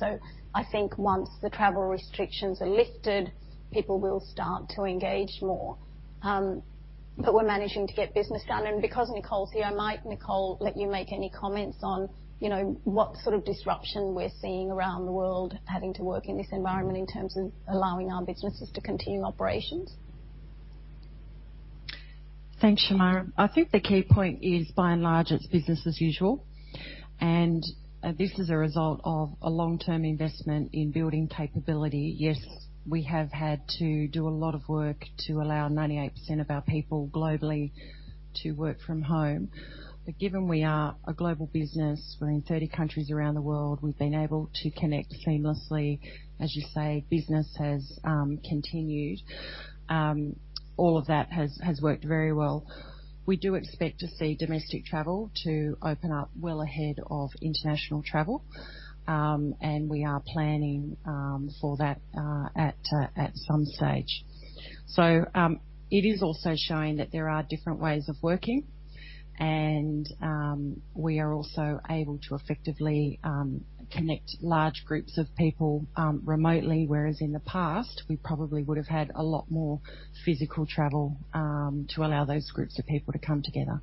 I think once the travel restrictions are lifted, people will start to engage more. We're managing to get business done. Because Nicole's here, I might, Nicole, let you make any comments on, you know, what sort of disruption we're seeing around the world having to work in this environment in terms of allowing our businesses to continue operations. Thanks, Shemara. I think the key point is, by and large, it's business as usual. This is a result of a long-term investment in building capability. Yes, we have had to do a lot of work to allow 98% of our people globally to work from home. Given we are a global business, we're in 30 countries around the world. We've been able to connect seamlessly. As you say, business has continued. All of that has worked very well. We do expect to see domestic travel to open up well ahead of international travel. We are planning for that at some stage. It is also showing that there are different ways of working. We are also able to effectively connect large groups of people remotely, whereas in the past, we probably would have had a lot more physical travel to allow those groups of people to come together.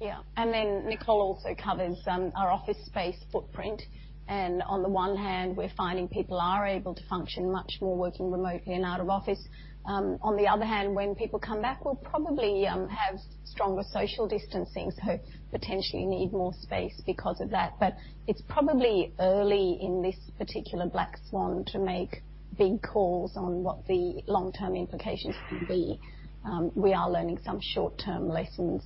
Yeah. Nicole also covers our office space footprint. On the one hand, we're finding people are able to function much more working remotely and out of office. On the other hand, when people come back, we'll probably have stronger social distancing, so potentially need more space because of that. It's probably early in this particular black swan to make big calls on what the long-term implications will be. We are learning some short-term lessons.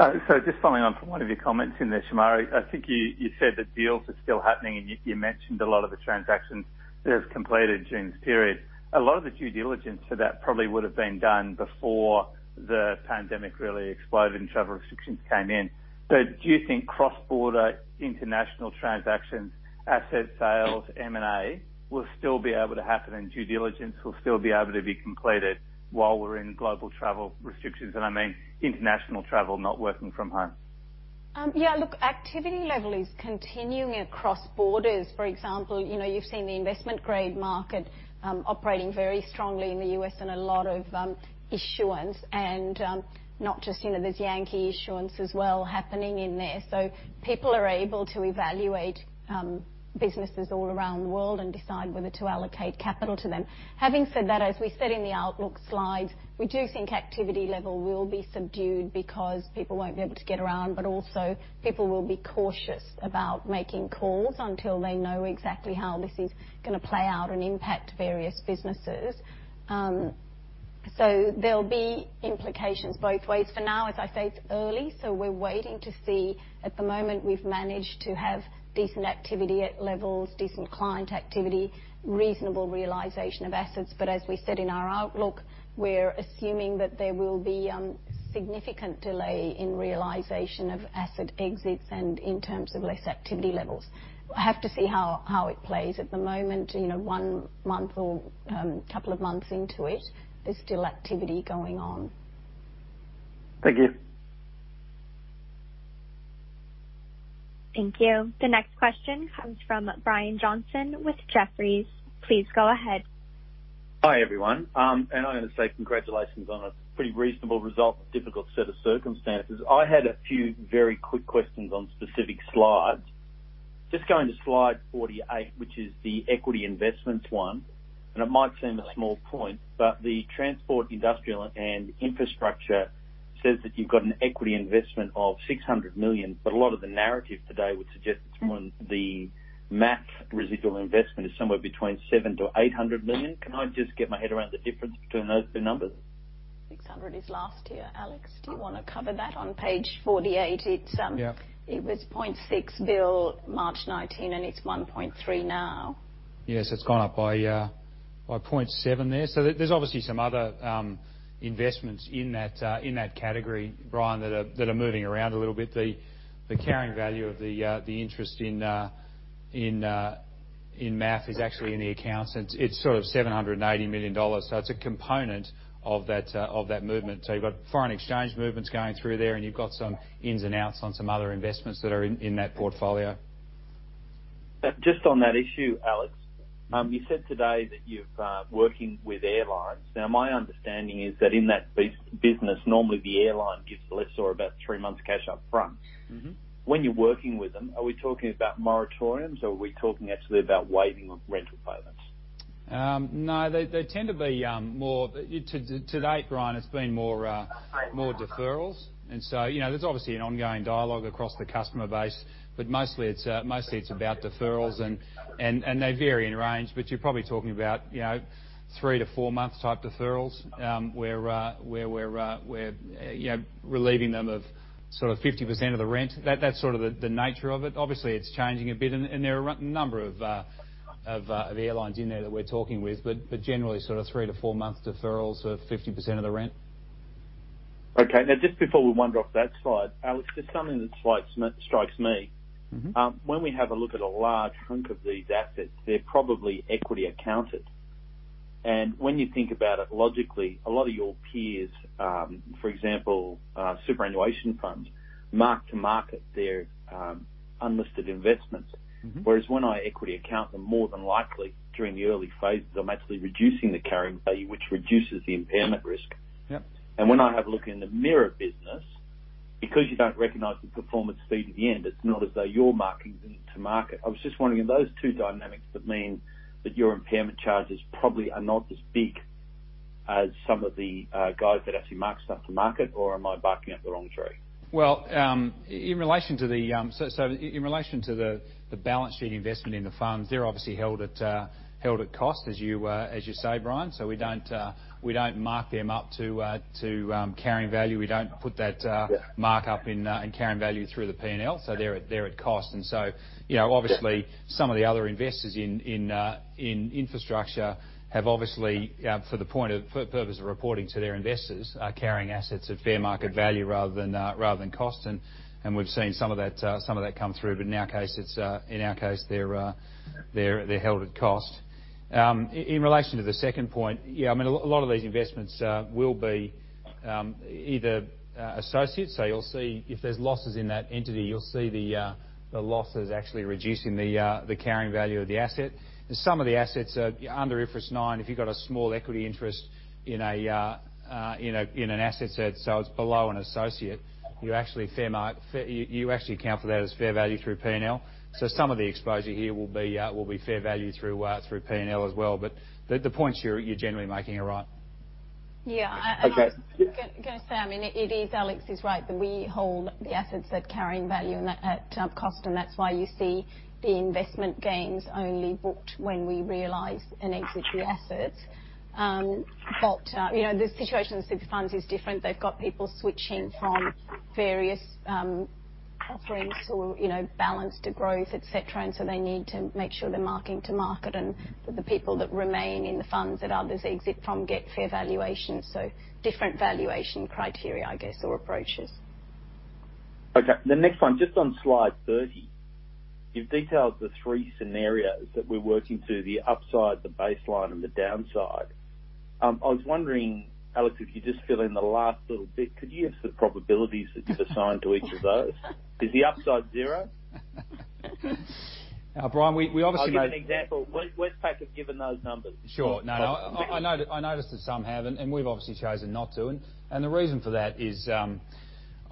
Just following on from one of your comments in there, Shemara, I think you said that deals are still happening and you mentioned a lot of the transactions that have completed June's period. A lot of the due diligence for that probably would have been done before the pandemic really exploded and travel restrictions came in. Do you think cross-border international transactions, asset sales, M&A will still be able to happen and due diligence will still be able to be completed while we're in global travel restrictions? I mean international travel, not working from home. Yeah. Look, activity level is continuing across borders. For example, you know, you've seen the investment-grade market, operating very strongly in the U.S. and a lot of issuance. And, not just, you know, there's Yankee issuance as well happening in there. So people are able to evaluate, businesses all around the world and decide whether to allocate capital to them. Having said that, as we said in the Outlook slides, we do think activity level will be subdued because people won't be able to get around. But also, people will be cautious about making calls until they know exactly how this is going to play out and impact various businesses. So there'll be implications both ways. For now, as I say, it's early. So we're waiting to see. At the moment, we've managed to have decent activity at levels, decent client activity, reasonable realization of assets. As we said in our Outlook, we're assuming that there will be significant delay in realization of asset exits and in terms of less activity levels. I have to see how it plays at the moment. You know, one month or couple of months into it, there's still activity going on. Thank you. Thank you. The next question comes from Brian Johnson with Jefferies. Please go ahead. Hi everyone. I'm going to say congratulations on a pretty reasonable result in a difficult set of circumstances. I had a few very quick questions on specific slides. Just going to slide 48, which is the equity investments one. It might seem a small point, but the transport, industrial, and infrastructure says that you've got an equity investment of 600 million. A lot of the narrative today would suggest it's more the MAT residual investment is somewhere between 700 million-800 million. Can I just get my head around the difference between those two numbers? 600 is last here. Alex, do you want to cover that on page 48? It's, Yeah. It was 0.6 billion March 19, and it's 1.3 billion now. Yeah. It's gone up by 0.7 billion there. There's obviously some other investments in that category, Brian, that are moving around a little bit. The carrying value of the interest in MAT is actually in the accounts, and it's sort of 780 million dollars. It's a component of that movement. You've got foreign exchange movements going through there, and you've got some ins and outs on some other investments that are in that portfolio. Just on that issue, Alex, you said today that you've, working with airlines. Now, my understanding is that in that business, normally the airline gives less or about three months cash upfront. Mm-hmm. When you're working with them, are we talking about moratoriums or are we talking actually about waiving of rental payments? No. They, they tend to be, more to date, Brian, it's been more, more deferrals. You know, there's obviously an ongoing dialogue across the customer base. Mostly it's, mostly it's about deferrals. They vary in range, but you're probably talking about, you know, three- to four-month type deferrals, where, you know, relieving them of sort of 50% of the rent. That's sort of the nature of it. Obviously, it's changing a bit. There are a number of airlines in there that we're talking with. Generally, sort of three- to four-month deferrals of 50% of the rent. Okay. Now, just before we wander off that slide, Alex, there's something that strikes me—strikes me. Mm-hmm. When we have a look at a large chunk of these assets, they're probably equity accounted. And when you think about it logically, a lot of your peers, for example, superannuation funds, mark to market their unlisted investments. Mm-hmm. Whereas when I equity account them, more than likely, during the early phases, I'm actually reducing the carrying value, which reduces the impairment risk. Yep. When I have a look in the MERA business, because you do not recognize the performance fee to the end, it is not as though you are marking them to market. I was just wondering, are those two dynamics that mean that your impairment charges probably are not as big as some of the guys that actually mark stuff to market, or am I barking up the wrong tree? In relation to the, in relation to the balance sheet investment in the funds, they're obviously held at cost, as you say, Brian. We don't mark them up to carrying value. We don't put that, Yeah. Mark up in, in carrying value through the P&L. They're at cost. You know, obviously, some of the other investors in infrastructure have obviously, for the purpose of reporting to their investors, carrying assets at fair market value rather than cost. We've seen some of that come through. In our case, they're held at cost. In relation to the second point, yeah, I mean, a lot of these investments will be either associates. You'll see if there's losses in that entity, you'll see the losses actually reducing the carrying value of the asset. Some of the assets are under IFRS 9. If you've got a small equity interest in an asset set, so it's below an associate, you actually account for that as fair value through P&L. Some of the exposure here will be fair value through P&L as well. The points you're generally making are right. Yeah. I just. Okay. Gonna say, I mean, it is Alex is right that we hold the assets at carrying value and at, at, cost. And that's why you see the investment gains only bought when we realize and exit the assets. But, you know, the situation of super funds is different. They've got people switching from various, offerings to, you know, balance to growth, etc. And so they need to make sure they're marking to market and that the people that remain in the funds that others exit from get fair valuation. So different valuation criteria, I guess, or approaches. Okay. The next one, just on slide 30, you've detailed the three scenarios that we're working through: the upside, the baseline, and the downside. I was wondering, Alex, if you just fill in the last little bit, could you have said probabilities that you've assigned to each of those? Is the upside zero? Brian, we obviously. I'll give you an example. Westpac have given those numbers. Sure. No, I noticed that some haven't. We've obviously chosen not to. The reason for that is,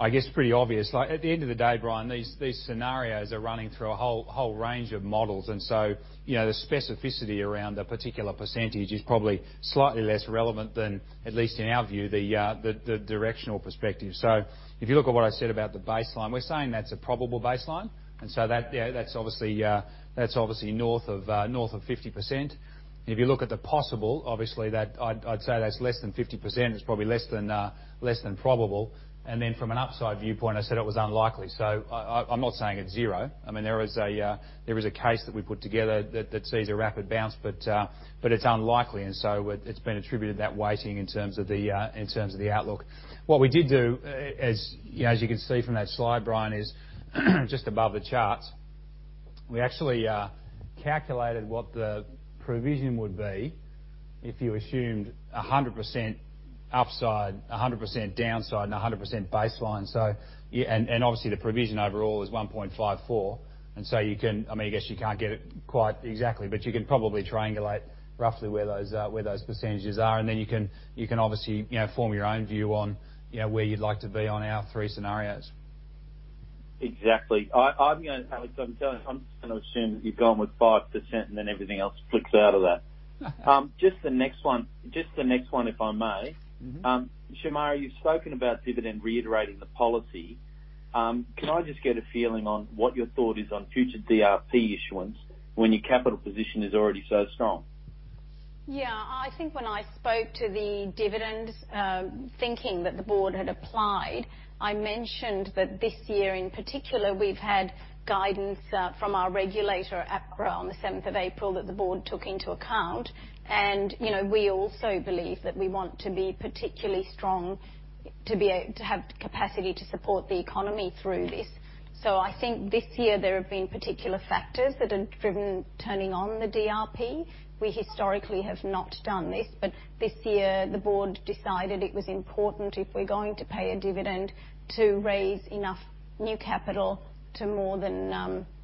I guess, pretty obvious. Like, at the end of the day, Brian, these scenarios are running through a whole range of models. You know, the specificity around a particular percentage is probably slightly less relevant than, at least in our view, the directional perspective. If you look at what I said about the baseline, we're saying that's a probable baseline. That's obviously north of 50%. If you look at the possible, I'd say that's less than 50%. It's probably less than probable. From an upside viewpoint, I said it was unlikely. I'm not saying it's zero. I mean, there is a case that we put together that sees a rapid bounce. But it's unlikely. It's been attributed that weighting in terms of the Outlook. What we did do, as you know, as you can see from that slide, Brian, is just above the charts, we actually calculated what the provision would be if you assumed 100% upside, 100% downside, and 100% baseline. So, and obviously, the provision overall is 1.54 billion. You can, I mean, I guess you can't get it quite exactly, but you can probably triangulate roughly where those percentages are. You can obviously, you know, form your own view on, you know, where you'd like to be on our three scenarios. Exactly. I'm going to, Alex, I'm telling you, I'm just going to assume that you've gone with 5% and then everything else flicks out of that. Just the next one, just the next one, if I may. Mm-hmm. Shemara, you've spoken about dividend reiterating the policy. Can I just get a feeling on what your thought is on future DRP issuance when your capital position is already so strong? Yeah. I think when I spoke to the dividend, thinking that the board had applied, I mentioned that this year in particular, we've had guidance, from our regulator, APRA, on the 7th of April that the board took into account. You know, we also believe that we want to be particularly strong to be able to have capacity to support the economy through this. I think this year there have been particular factors that have driven turning on the DRP. We historically have not done this. This year, the board decided it was important if we're going to pay a dividend to raise enough new capital to more than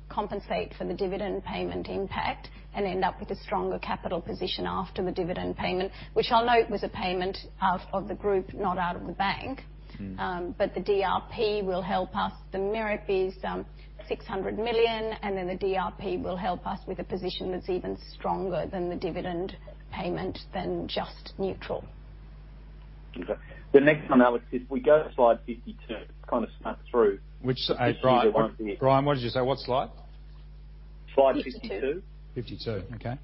compensate for the dividend payment impact and end up with a stronger capital position after the dividend payment, which I'll note was a payment out of the group, not out of the bank. Mm-hmm. The DRP will help us. The MERA is 600 million. And then the DRP will help us with a position that's even stronger than the dividend payment than just neutral. Okay. The next one, Alex, if we go to slide 52, kind of snap through. Which, Brian, what did you say? What slide? Slide 52. 52. Okay.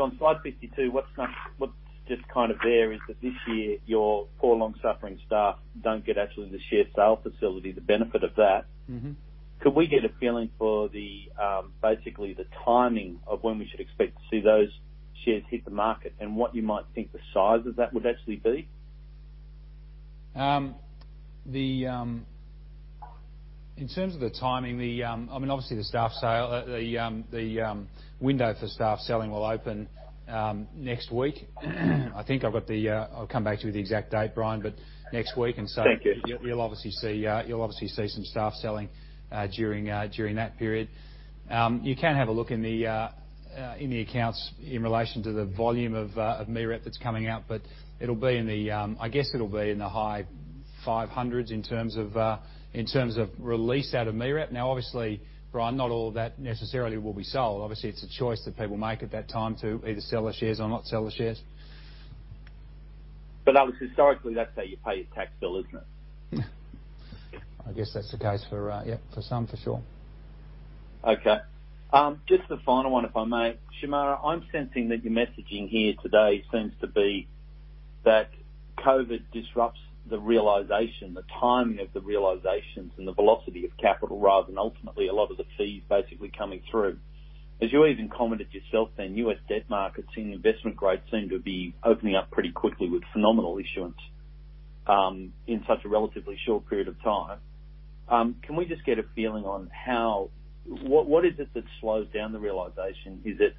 On slide 52, what's not, what's just kind of there is that this year your poor, long-suffering staff don't get actually the shared sale facility, the benefit of that. Mm-hmm. Could we get a feeling for the, basically the timing of when we should expect to see those shares hit the market and what you might think the size of that would actually be? In terms of the timing, I mean, obviously, the staff sale, the window for staff selling will open next week. I think I've got the, I'll come back to you with the exact date, Brian, but next week. Thank you. You'll obviously see some staff selling during that period. You can have a look in the accounts in relation to the volume of MERA that's coming out. It'll be in the, I guess it'll be in the high 500s in terms of release out of MERA. Now, obviously, Brian, not all of that necessarily will be sold. It's a choice that people make at that time to either sell the shares or not sell the shares. Alex, historically, that's how you pay your tax bill, isn't it? I guess that's the case for, yeah, for some, for sure. Okay. Just the final one, if I may. Shemara, I'm sensing that your messaging here today seems to be that COVID disrupts the realization, the timing of the realizations, and the velocity of capital rather than ultimately a lot of the fees basically coming through. As you even commented yourself then, US debt markets and investment grades seem to be opening up pretty quickly with phenomenal issuance, in such a relatively short period of time. Can we just get a feeling on how, what, what is it that slows down the realization? Is it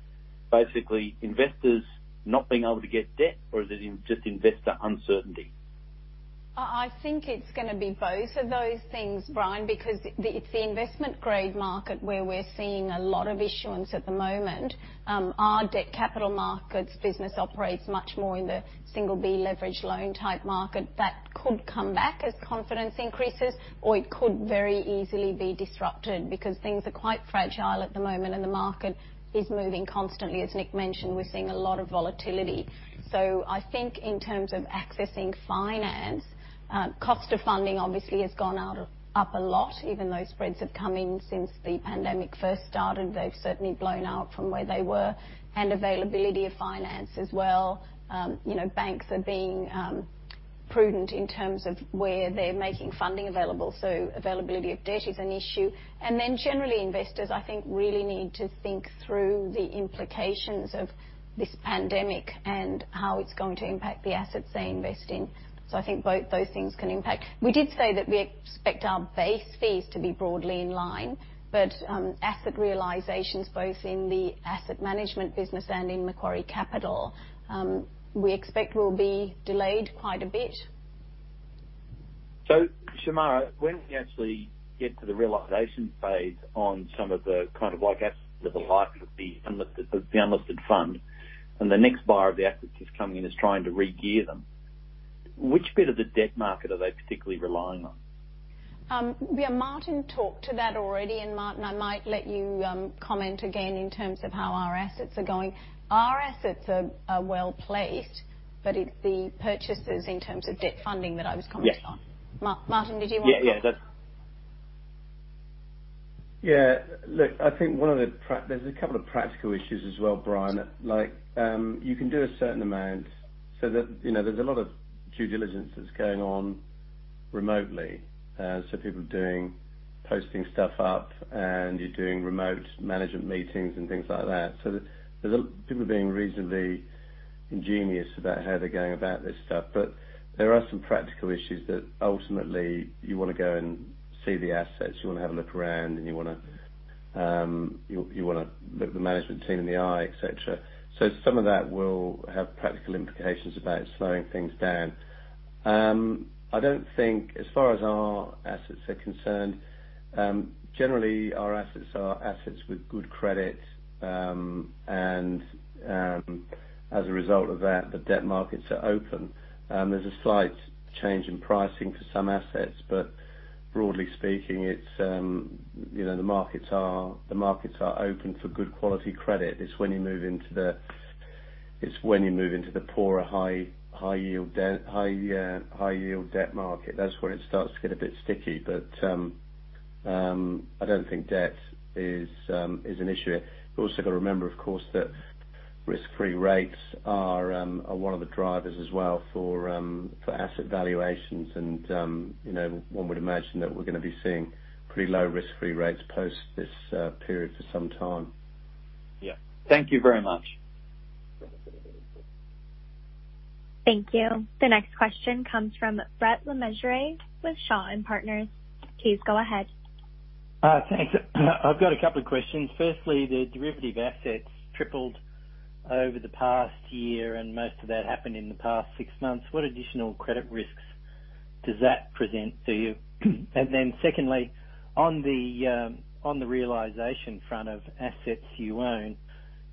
basically investors not being able to get debt, or is it just investor uncertainty? I think it's going to be both of those things, Brian, because it's the investment grade market where we're seeing a lot of issuance at the moment. Our debt capital markets business operates much more in the single B leverage loan type market. That could come back as confidence increases, or it could very easily be disrupted because things are quite fragile at the moment and the market is moving constantly. As Nick mentioned, we're seeing a lot of volatility. I think in terms of accessing finance, cost of funding obviously has gone up a lot. Even though spreads have come in since the pandemic first started, they've certainly blown out from where they were. And availability of finance as well. You know, banks are being prudent in terms of where they're making funding available. So availability of debt is an issue. Generally, investors, I think, really need to think through the implications of this pandemic and how it is going to impact the assets they invest in. I think both those things can impact. We did say that we expect our base fees to be broadly in line. Asset realizations, both in the asset management business and in Macquarie Capital, we expect will be delayed quite a bit. Shemara, when we actually get to the realization phase on some of the kind of like assets that are likely to be unlisted, the unlisted fund, and the next buyer of the assets is coming in as trying to regear them, which bit of the debt market are they particularly relying on? Yeah, Martin talked to that already. Martin, I might let you comment again in terms of how our assets are going. Our assets are well placed, but it's the purchases in terms of debt funding that I was commenting on. Yes. Martin, did you want to? Yeah, yeah. That's. Yeah. Look, I think one of the, there's a couple of practical issues as well, Brian, that like, you can do a certain amount so that, you know, there's a lot of due diligence that's going on remotely. People are doing posting stuff up, and you're doing remote management meetings and things like that. People are being reasonably ingenious about how they're going about this stuff. There are some practical issues that ultimately you want to go and see the assets. You want to have a look around, and you want to, you want to look the management team in the eye, etc. Some of that will have practical implications about slowing things down. I don't think as far as our assets are concerned, generally, our assets are assets with good credit. As a result of that, the debt markets are open. There's a slight change in pricing for some assets. Broadly speaking, it's, you know, the markets are open for good quality credit. It's when you move into the poorer, high yield debt, high yield debt market. That's where it starts to get a bit sticky. I don't think debt is an issue here. We also got to remember, of course, that risk-free rates are one of the drivers as well for asset valuations. You know, one would imagine that we're going to be seeing pretty low risk-free rates post this period for some time. Yeah. Thank you very much. Thank you. The next question comes from Brett Le Mesurier with Shaw & Partners. Please go ahead. Thanks. I've got a couple of questions. Firstly, the derivative assets tripled over the past year, and most of that happened in the past six months. What additional credit risks does that present to you? Secondly, on the realization front of assets you own,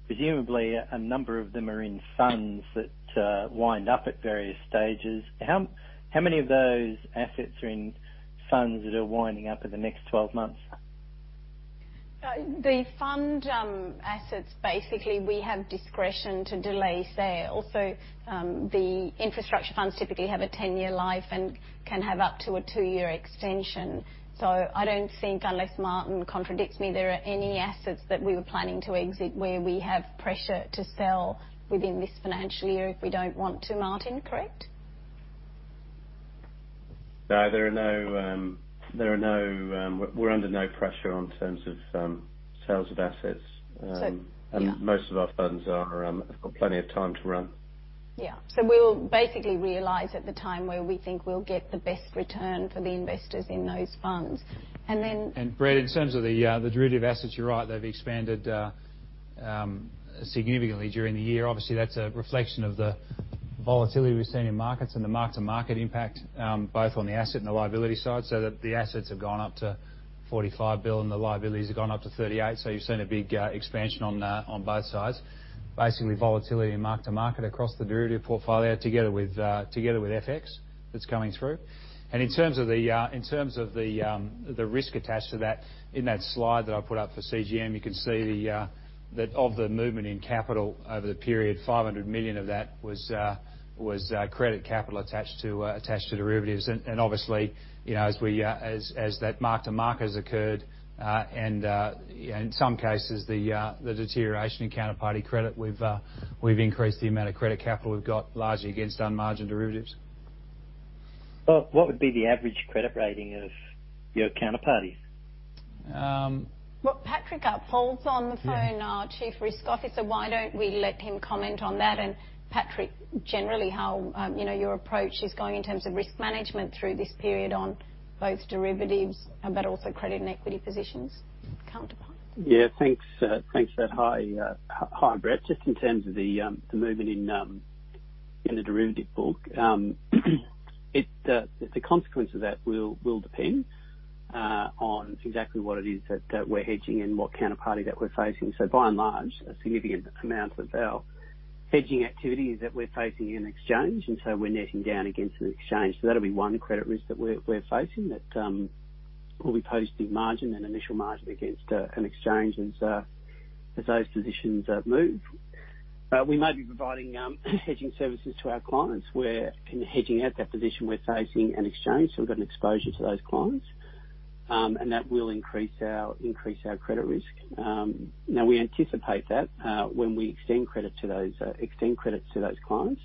presumably a number of them are in funds that wind up at various stages. How many of those assets are in funds that are winding up in the next 12 months? The fund, assets, basically, we have discretion to delay sale. The infrastructure funds typically have a 10-year life and can have up to a two-year extension. I do not think, unless Martin contradicts me, there are any assets that we were planning to exit where we have pressure to sell within this financial year if we do not want to. Martin, correct? No, there are no, we're under no pressure in terms of sales of assets. Most of our funds have got plenty of time to run. Yeah. We'll basically realize at the time where we think we'll get the best return for the investors in those funds. And then. Brett, in terms of the derivative assets, you're right. They've expanded significantly during the year. Obviously, that's a reflection of the volatility we've seen in markets and the mark-to-market impact, both on the asset and the liability side. The assets have gone up to 45 billion. The liabilities have gone up to 38 billion. You've seen a big expansion on both sides. Basically, volatility and mark-to-market across the derivative portfolio together with FX that's coming through. In terms of the risk attached to that, in that slide that I put up for CGM, you can see that of the movement in capital over the period, 500 million of that was credit capital attached to derivatives. Obviously, you know, as we, as that mark-to-market has occurred, and, you know, in some cases, the deterioration in counterparty credit, we've increased the amount of credit capital we've got largely against unmargined derivatives. What would be the average credit rating of your counterparties? Patrick Upfold is on the phone, our Chief Risk Officer. Why don't we let him comment on that? Patrick, generally, how, you know, your approach is going in terms of risk management through this period on both derivatives but also credit and equity positions counterpart? Yeah. Thanks, thanks for that. Hi, Brett, just in terms of the movement in the derivative book. The consequence of that will depend on exactly what it is that we're hedging and what counterparty that we're facing. By and large, a significant amount of our hedging activity is that we're facing an exchange, and so we're netting down against an exchange. That will be one credit risk that we're facing, that will be posting margin and initial margin against an exchange as those positions move. We might be providing hedging services to our clients where, in hedging out that position, we're facing an exchange. We've got an exposure to those clients, and that will increase our credit risk. Now we anticipate that, when we extend credit to those, extend credit to those clients,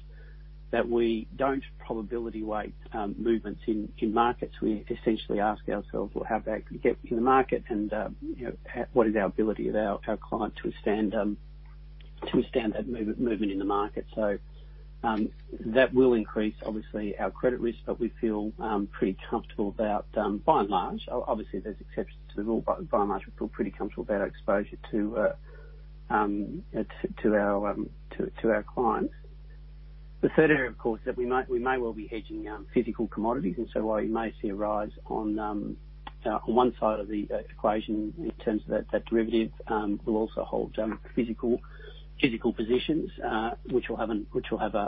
that we do not probability weight movements in, in markets. We essentially ask ourselves, you know, how bad could it get in the market? And, you know, what is our ability of our, our client to withstand, to withstand that movement, movement in the market? That will increase, obviously, our credit risk, but we feel pretty comfortable about, by and large. Obviously, there are exceptions to the rule, but by and large, we feel pretty comfortable about our exposure to, to, to our, to, to our clients. The third area, of course, that we might, we may well be hedging, physical commodities. While you may see a rise on one side of the equation in terms of that derivative, we'll also hold physical positions, which will have an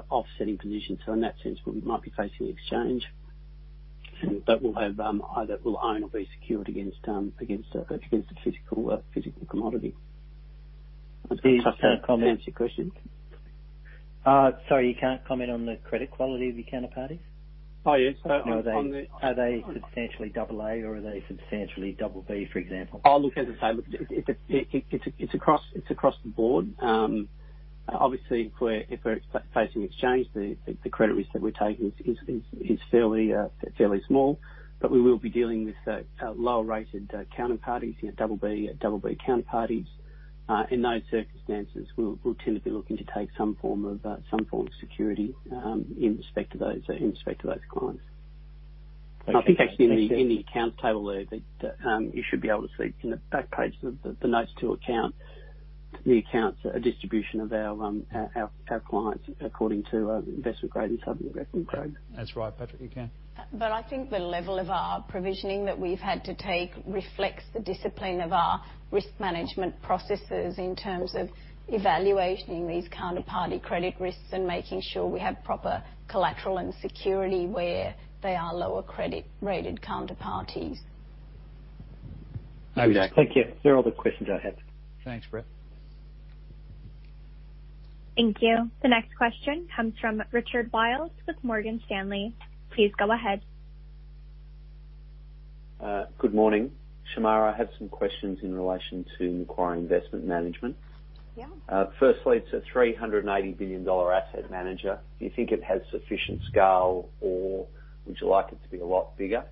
offsetting position. In that sense, we might be facing exchange, but we'll have either we'll own or be secured against the physical commodity. I was going to try to answer your question. Sorry, you can't comment on the credit quality of your counterparties? Oh, yes. On the. Are they substantially double A or are they substantially double B, for example? Oh, look, as I say, look, it's across, it's across the board. Obviously, if we're facing exchange, the credit risk that we're taking is fairly small. But we will be dealing with lower rated counterparties, you know, double B, double B counterparties. In those circumstances, we'll tend to be looking to take some form of security, in respect to those, in respect to those clients. I think actually in the accounts table there, that you should be able to see in the back page of the notes to account, the accounts, a distribution of our clients according to investment grade and sub-investment grade. That's right, Patrick. You can. I think the level of our provisioning that we've had to take reflects the discipline of our risk management processes in terms of evaluating these counterparty credit risks and making sure we have proper collateral and security where they are lower credit rated counterparties. Okay. Thank you. Those are all the questions I had. Thanks, Brett. Thank you. The next question comes from Richard Wiles with Morgan Stanley. Please go ahead. Good morning. Shemara, I have some questions in relation to Macquarie Investment Management. Yeah. Firstly, it's a 380 billion dollar asset manager. Do you think it has sufficient scale or would you like it to be a lot bigger?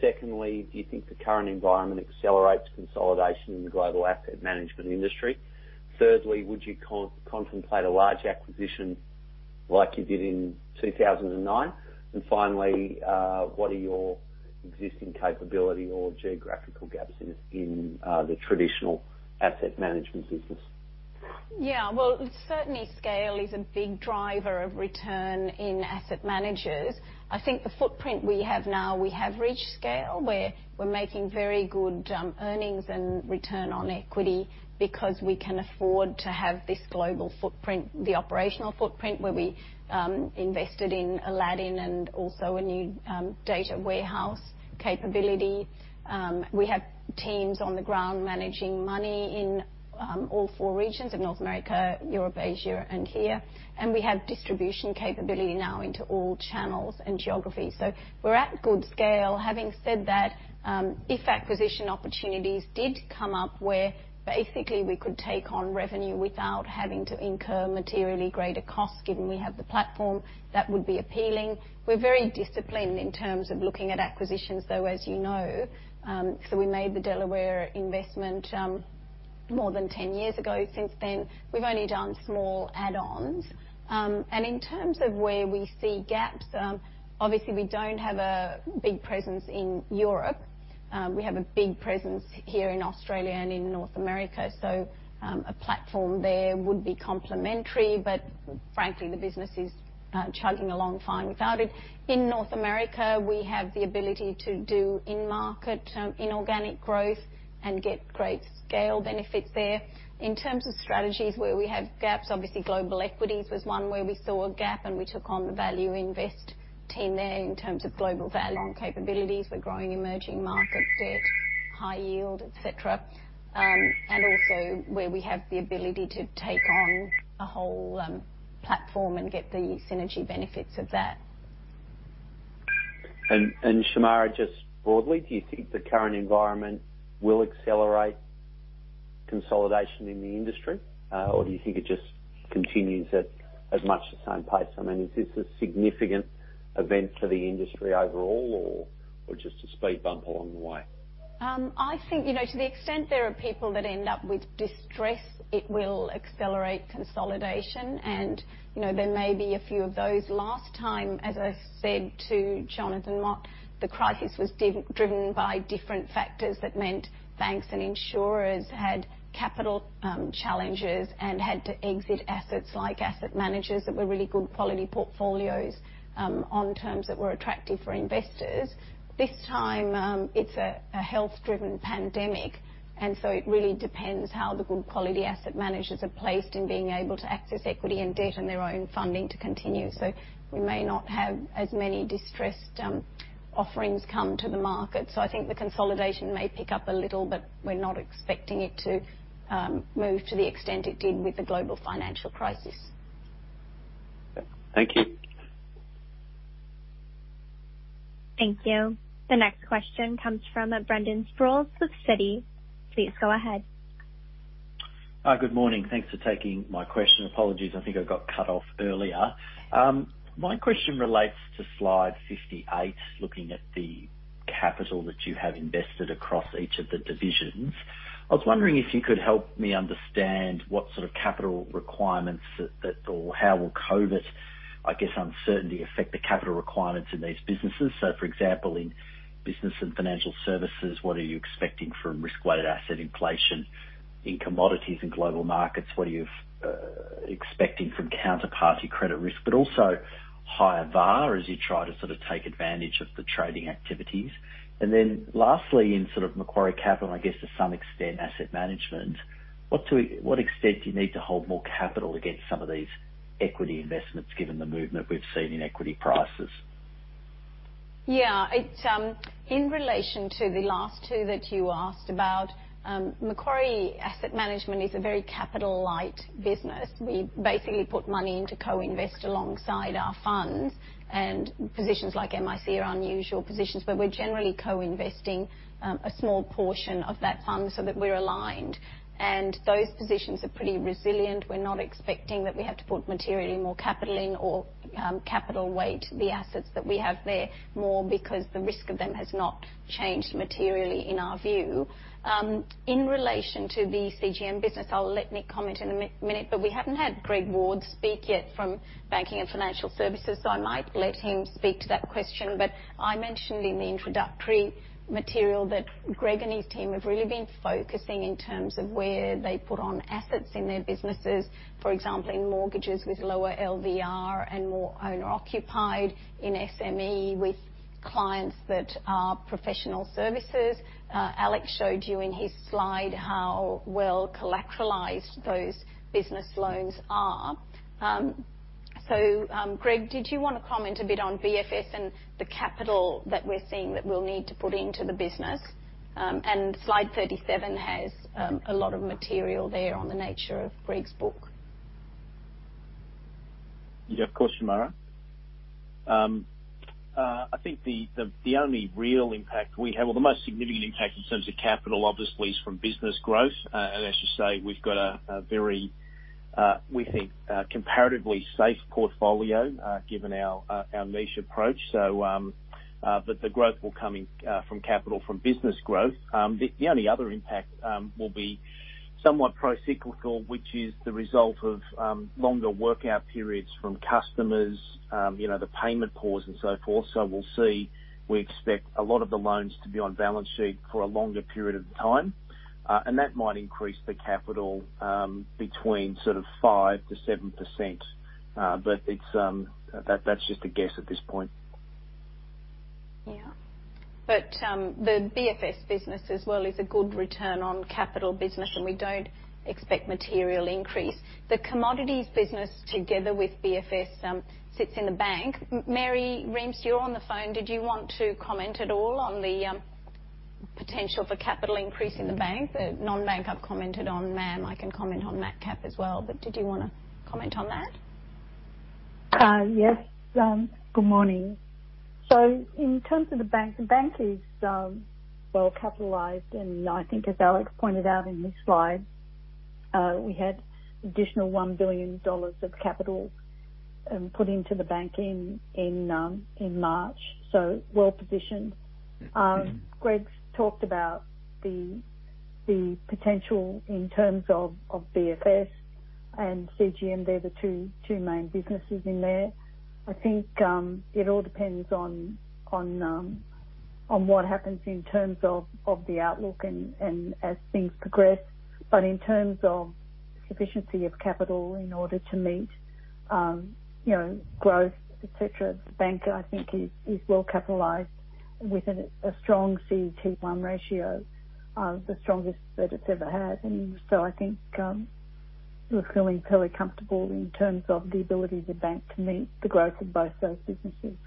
Secondly, do you think the current environment accelerates consolidation in the global asset management industry? Thirdly, would you contemplate a large acquisition like you did in 2009? Finally, what are your existing capability or geographical gaps in the traditional asset management business? Yeah. Certainly scale is a big driver of return in asset managers. I think the footprint we have now, we have reached scale where we're making very good earnings and return on equity because we can afford to have this global footprint, the operational footprint where we invested in Aladdin and also a new data warehouse capability. We have teams on the ground managing money in all four regions of North America, Europe, Asia, and here. We have distribution capability now into all channels and geographies. We are at good scale. Having said that, if acquisition opportunities did come up where basically we could take on revenue without having to incur materially greater costs, given we have the platform, that would be appealing. We are very disciplined in terms of looking at acquisitions, though, as you know. We made the Delaware investment more than 10 years ago. Since then, we've only done small add-ons. In terms of where we see gaps, obviously we don't have a big presence in Europe. We have a big presence here in Australia and in North America. A platform there would be complementary. Frankly, the business is chugging along fine without it. In North America, we have the ability to do in-market, inorganic growth and get great scale benefits there. In terms of strategies where we have gaps, obviously global equities was one where we saw a gap, and we took on the Value Invest team there in terms of global value on capabilities. We're growing emerging market debt, high yield, etc., and also where we have the ability to take on a whole platform and get the synergy benefits of that. Shemara, just broadly, do you think the current environment will accelerate consolidation in the industry? Or do you think it just continues at much the same pace? I mean, is this a significant event for the industry overall or just a speed bump along the way? I think, you know, to the extent there are people that end up with distress, it will accelerate consolidation. You know, there may be a few of those. Last time, as I said to Jonathan Mott, the crisis was driven by different factors that meant banks and insurers had capital challenges and had to exit assets like asset managers that were really good quality portfolios, on terms that were attractive for investors. This time, it's a health-driven pandemic. It really depends how the good quality asset managers are placed in being able to access equity and debt and their own funding to continue. We may not have as many distressed offerings come to the market. I think the consolidation may pick up a little, but we're not expecting it to move to the extent it did with the global financial crisis. Thank you. Thank you. The next question comes from Brendan Sproules with Citi. Please go ahead. Good morning. Thanks for taking my question. Apologies. I think I got cut off earlier. My question relates to slide 58, looking at the capital that you have invested across each of the divisions. I was wondering if you could help me understand what sort of capital requirements that, that or how will COVID, I guess, uncertainty affect the capital requirements in these businesses? For example, in Banking and Financial Services, what are you expecting from risk-weighted asset inflation in Commodities and Global Markets? What are you expecting from counterparty credit risk, but also higher VaR as you try to sort of take advantage of the trading activities? Lastly, in sort of Macquarie Capital, I guess to some extent, asset management, to what extent do you need to hold more capital against some of these equity investments given the movement we've seen in equity prices? Yeah. It's, in relation to the last two that you asked about, Macquarie Asset Management is a very capital-light business. We basically put money into co-invest alongside our funds. And positions like MIC are unusual positions, but we're generally co-investing, a small portion of that fund so that we're aligned. And those positions are pretty resilient. We're not expecting that we have to put materially more capital in or, capital weight the assets that we have there more because the risk of them has not changed materially in our view. In relation to the CGM business, I'll let Nick comment in a minute, but we haven't had Greg Ward speak yet from Banking and Financial Services. I might let him speak to that question. I mentioned in the introductory material that Greg and his team have really been focusing in terms of where they put on assets in their businesses, for example, in mortgages with lower LVR and more owner-occupied, in SME with clients that are professional services. Alex showed you in his slide how well collateralized those business loans are. Greg, did you want to comment a bit on BFS and the capital that we're seeing that we'll need to put into the business? Slide 37 has a lot of material there on the nature of Greg's book. Yeah, of course, Shemara. I think the only real impact we have, or the most significant impact in terms of capital, obviously, is from business growth. As you say, we've got a very, we think, comparatively safe portfolio, given our niche approach. The growth will come in from capital, from business growth. The only other impact will be somewhat pro-cyclical, which is the result of longer workout periods from customers, you know, the payment pause and so forth. We expect a lot of the loans to be on balance sheet for a longer period of time, and that might increase the capital, between sort of 5%-7%. That's just a guess at this point. Yeah. The BFS business as well is a good return on capital business, and we do not expect material increase. The commodities business together with BFS sits in the bank. Mary Reemst, you're on the phone. Did you want to comment at all on the potential for capital increase in the bank? The non-bank I've commented on, ma'am, I can comment on that cap as well. Did you want to comment on that? Yes. Good morning. In terms of the bank, the bank is well capitalized. I think, as Alex pointed out in his slide, we had additional 1 billion dollars of capital put into the bank in March. Well positioned. Greg's talked about the potential in terms of BFS and CGM. They're the two main businesses in there. I think it all depends on what happens in terms of the outlook and as things progress. In terms of sufficiency of capital in order to meet, you know, growth, etc., the bank, I think, is well capitalized with a strong CET1 ratio, the strongest that it's ever had. I think we're feeling fairly comfortable in terms of the ability of the bank to meet the growth of both those businesses.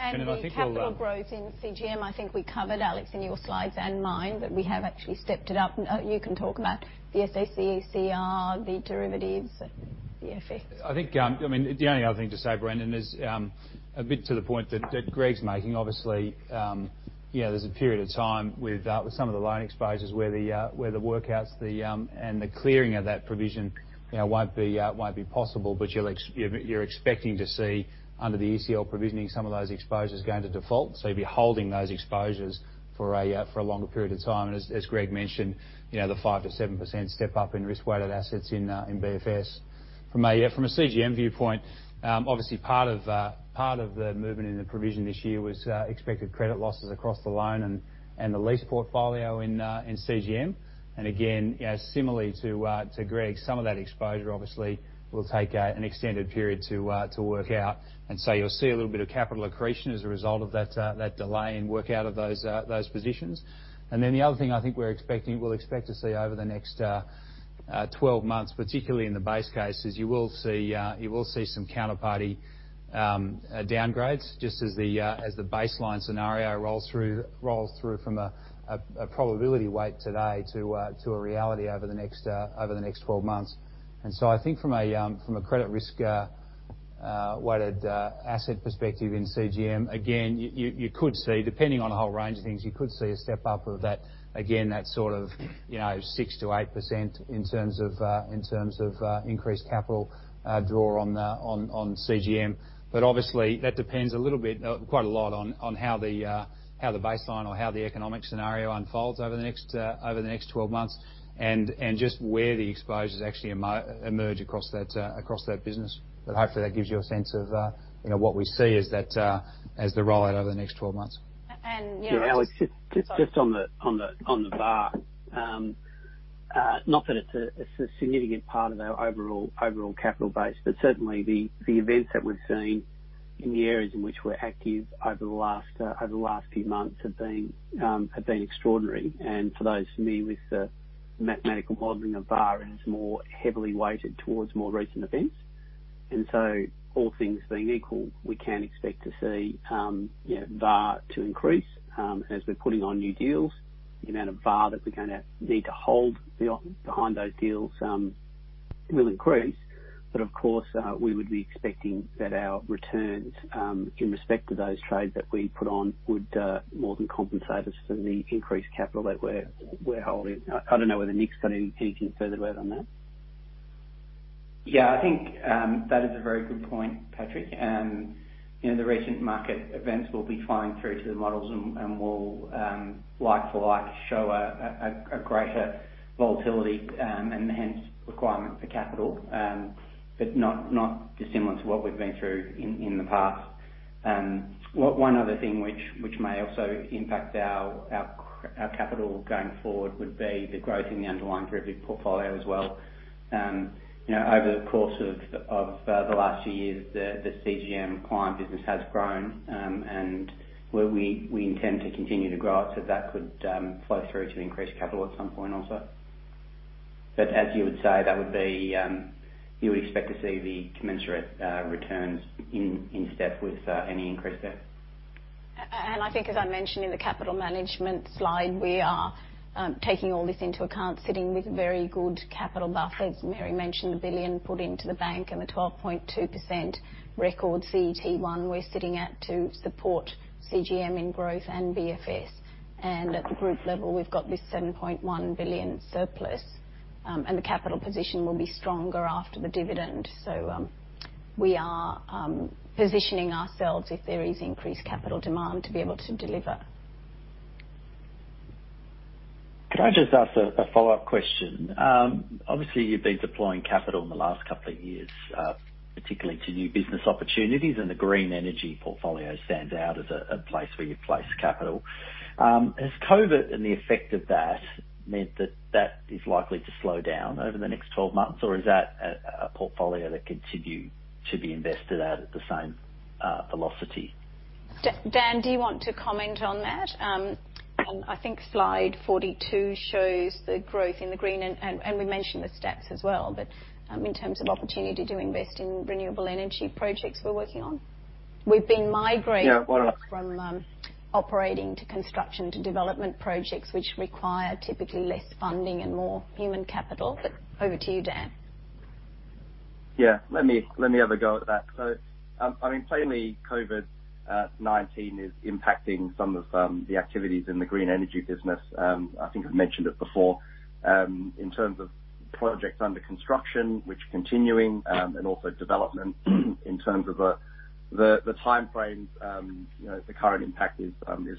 And, and. I think we'll, Capital growth in CGM, I think we covered, Alex, in your slides and mine, that we have actually stepped it up. You can talk about the SACCR, the derivatives, BFS. I think, I mean, the only other thing to say, Brendan, is, a bit to the point that, that Greg's making. Obviously, you know, there's a period of time with, with some of the loan exposures where the, where the workouts, the, and the clearing of that provision, you know, won't be, won't be possible. You'll, you're, you're expecting to see under the ECL provisioning, some of those exposures going to default. You'll be holding those exposures for a, for a longer period of time. As Greg mentioned, you know, the 5%-7% step-up in risk-weighted assets in, in BFS. From a CGM viewpoint, obviously part of, part of the movement in the provision this year was, expected credit losses across the loan and, and the lease portfolio in, in CGM. Again, you know, similarly to Greg, some of that exposure obviously will take an extended period to work out. You will see a little bit of capital accretion as a result of that delay in work out of those positions. The other thing I think we're expecting, we'll expect to see over the next 12 months, particularly in the base case, is you will see some counterparty downgrades just as the baseline scenario rolls through, rolls through from a probability weight today to a reality over the next 12 months. I think from a credit risk-weighted asset perspective in CGM, again, you could see, depending on a whole range of things, you could see a step-up of that, again, that sort of, you know, 6-8% in terms of increased capital draw on CGM. Obviously that depends quite a lot on how the baseline or how the economic scenario unfolds over the next 12 months and just where the exposures actually emerge across that business. Hopefully that gives you a sense of, you know, what we see as the rollout over the next 12 months. You know. Yeah, Alex, just on the VAR, not that it's a significant part of our overall capital base, but certainly the events that we've seen in the areas in which we're active over the last few months have been extraordinary. And for those familiar with the mathematical modeling of VAR, it is more heavily weighted towards more recent events. All things being equal, we can expect to see, you know, VAR to increase. As we're putting on new deals, the amount of VAR that we're going to need to hold behind those deals will increase. Of course, we would be expecting that our returns, in respect to those trades that we put on, would more than compensate us for the increased capital that we're holding. I don't know whether Nick's got anything further to add on that. Yeah, I think that is a very good point, Patrick. You know, the recent market events will be flying through to the models and will, like for like, show a greater volatility, and hence requirement for capital, but not dissimilar to what we've been through in the past. One other thing which may also impact our capital going forward would be the growth in the underlying derivative portfolio as well. You know, over the course of the last few years, the CGM client business has grown, and we intend to continue to grow it. That could flow through to increased capital at some point also. As you would say, you would expect to see the commensurate returns in step with any increase there. And I think, as I mentioned in the capital management slide, we are, taking all this into account, sitting with very good capital buffers. Mary mentioned the billion put into the bank and the 12.2% record CET1 we're sitting at to support CGM in growth and BFS. At the group level, we've got this 7.1 billion surplus. The capital position will be stronger after the dividend. We are positioning ourselves if there is increased capital demand to be able to deliver. Could I just ask a follow-up question? Obviously you've been deploying capital in the last couple of years, particularly to new business opportunities. And the green energy portfolio stands out as a place where you place capital. Has COVID and the effect of that meant that that is likely to slow down over the next 12 months? Or is that a portfolio that continues to be invested at the same velocity? Dan, do you want to comment on that? I think slide 42 shows the growth in the green, and we mentioned the steps as well. In terms of opportunity to invest in renewable energy projects we're working on, we've been migrating. Yeah, why don't I? From operating to construction to development projects, which require typically less funding and more human capital. Over to you, Dan. Yeah, let me have a go at that. I mean, clearly COVID-19 is impacting some of the activities in the green energy business. I think I've mentioned it before. In terms of projects under construction, which are continuing, and also development in terms of the timeframes, you know, the current impact is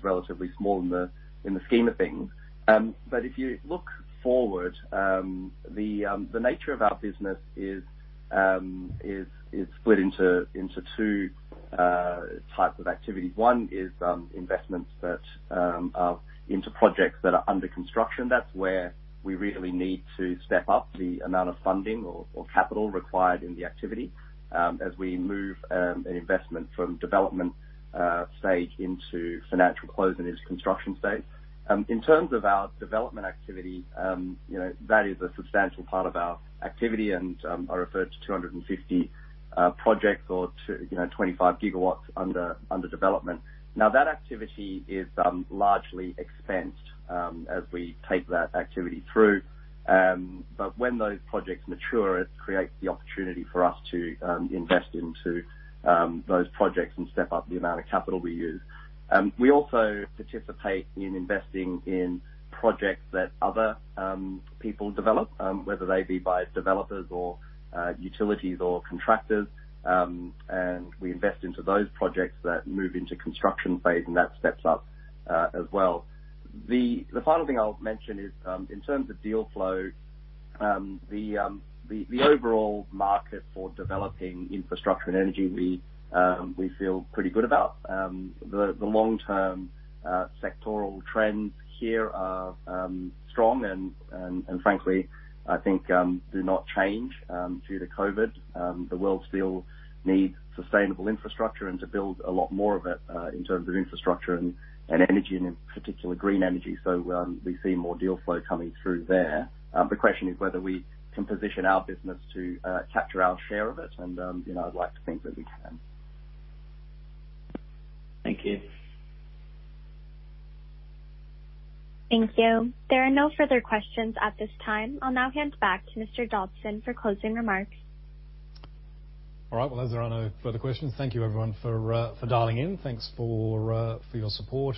relatively small in the scheme of things. If you look forward, the nature of our business is split into two types of activities. One is investments that are into projects that are under construction. That's where we really need to step up the amount of funding or capital required in the activity, as we move an investment from development stage into financial close and into construction stage. In terms of our development activity, you know, that is a substantial part of our activity and, I referred to 250 projects or to, you know, 25 GW under development. Now that activity is largely expensed, as we take that activity through. When those projects mature, it creates the opportunity for us to invest into those projects and step up the amount of capital we use. We also participate in investing in projects that other people develop, whether they be by developers or utilities or contractors. We invest into those projects that move into construction phase, and that steps up, as well. The final thing I'll mention is, in terms of deal flow, the overall market for developing infrastructure and energy, we feel pretty good about. The long-term sectoral trends here are strong and, frankly, I think do not change due to COVID. The world still needs sustainable infrastructure and to build a lot more of it, in terms of infrastructure and energy and in particular green energy. We see more deal flow coming through there. The question is whether we can position our business to capture our share of it. You know, I'd like to think that we can. Thank you. Thank you. There are no further questions at this time. I'll now hand back to Mr. Dobson for closing remarks. All right. Those are our no further questions. Thank you, everyone, for dialing in. Thank you for your support.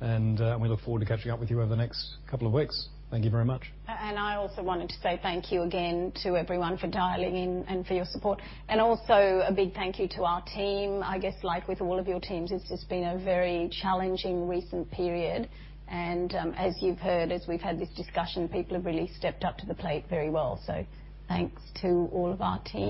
We look forward to catching up with you over the next couple of weeks. Thank you very much. I also wanted to say thank you again to everyone for dialing in and for your support. Also a big thank you to our team. I guess like with all of your teams, it's just been a very challenging recent period. As you've heard, as we've had this discussion, people have really stepped up to the plate very well. Thanks to all of our team.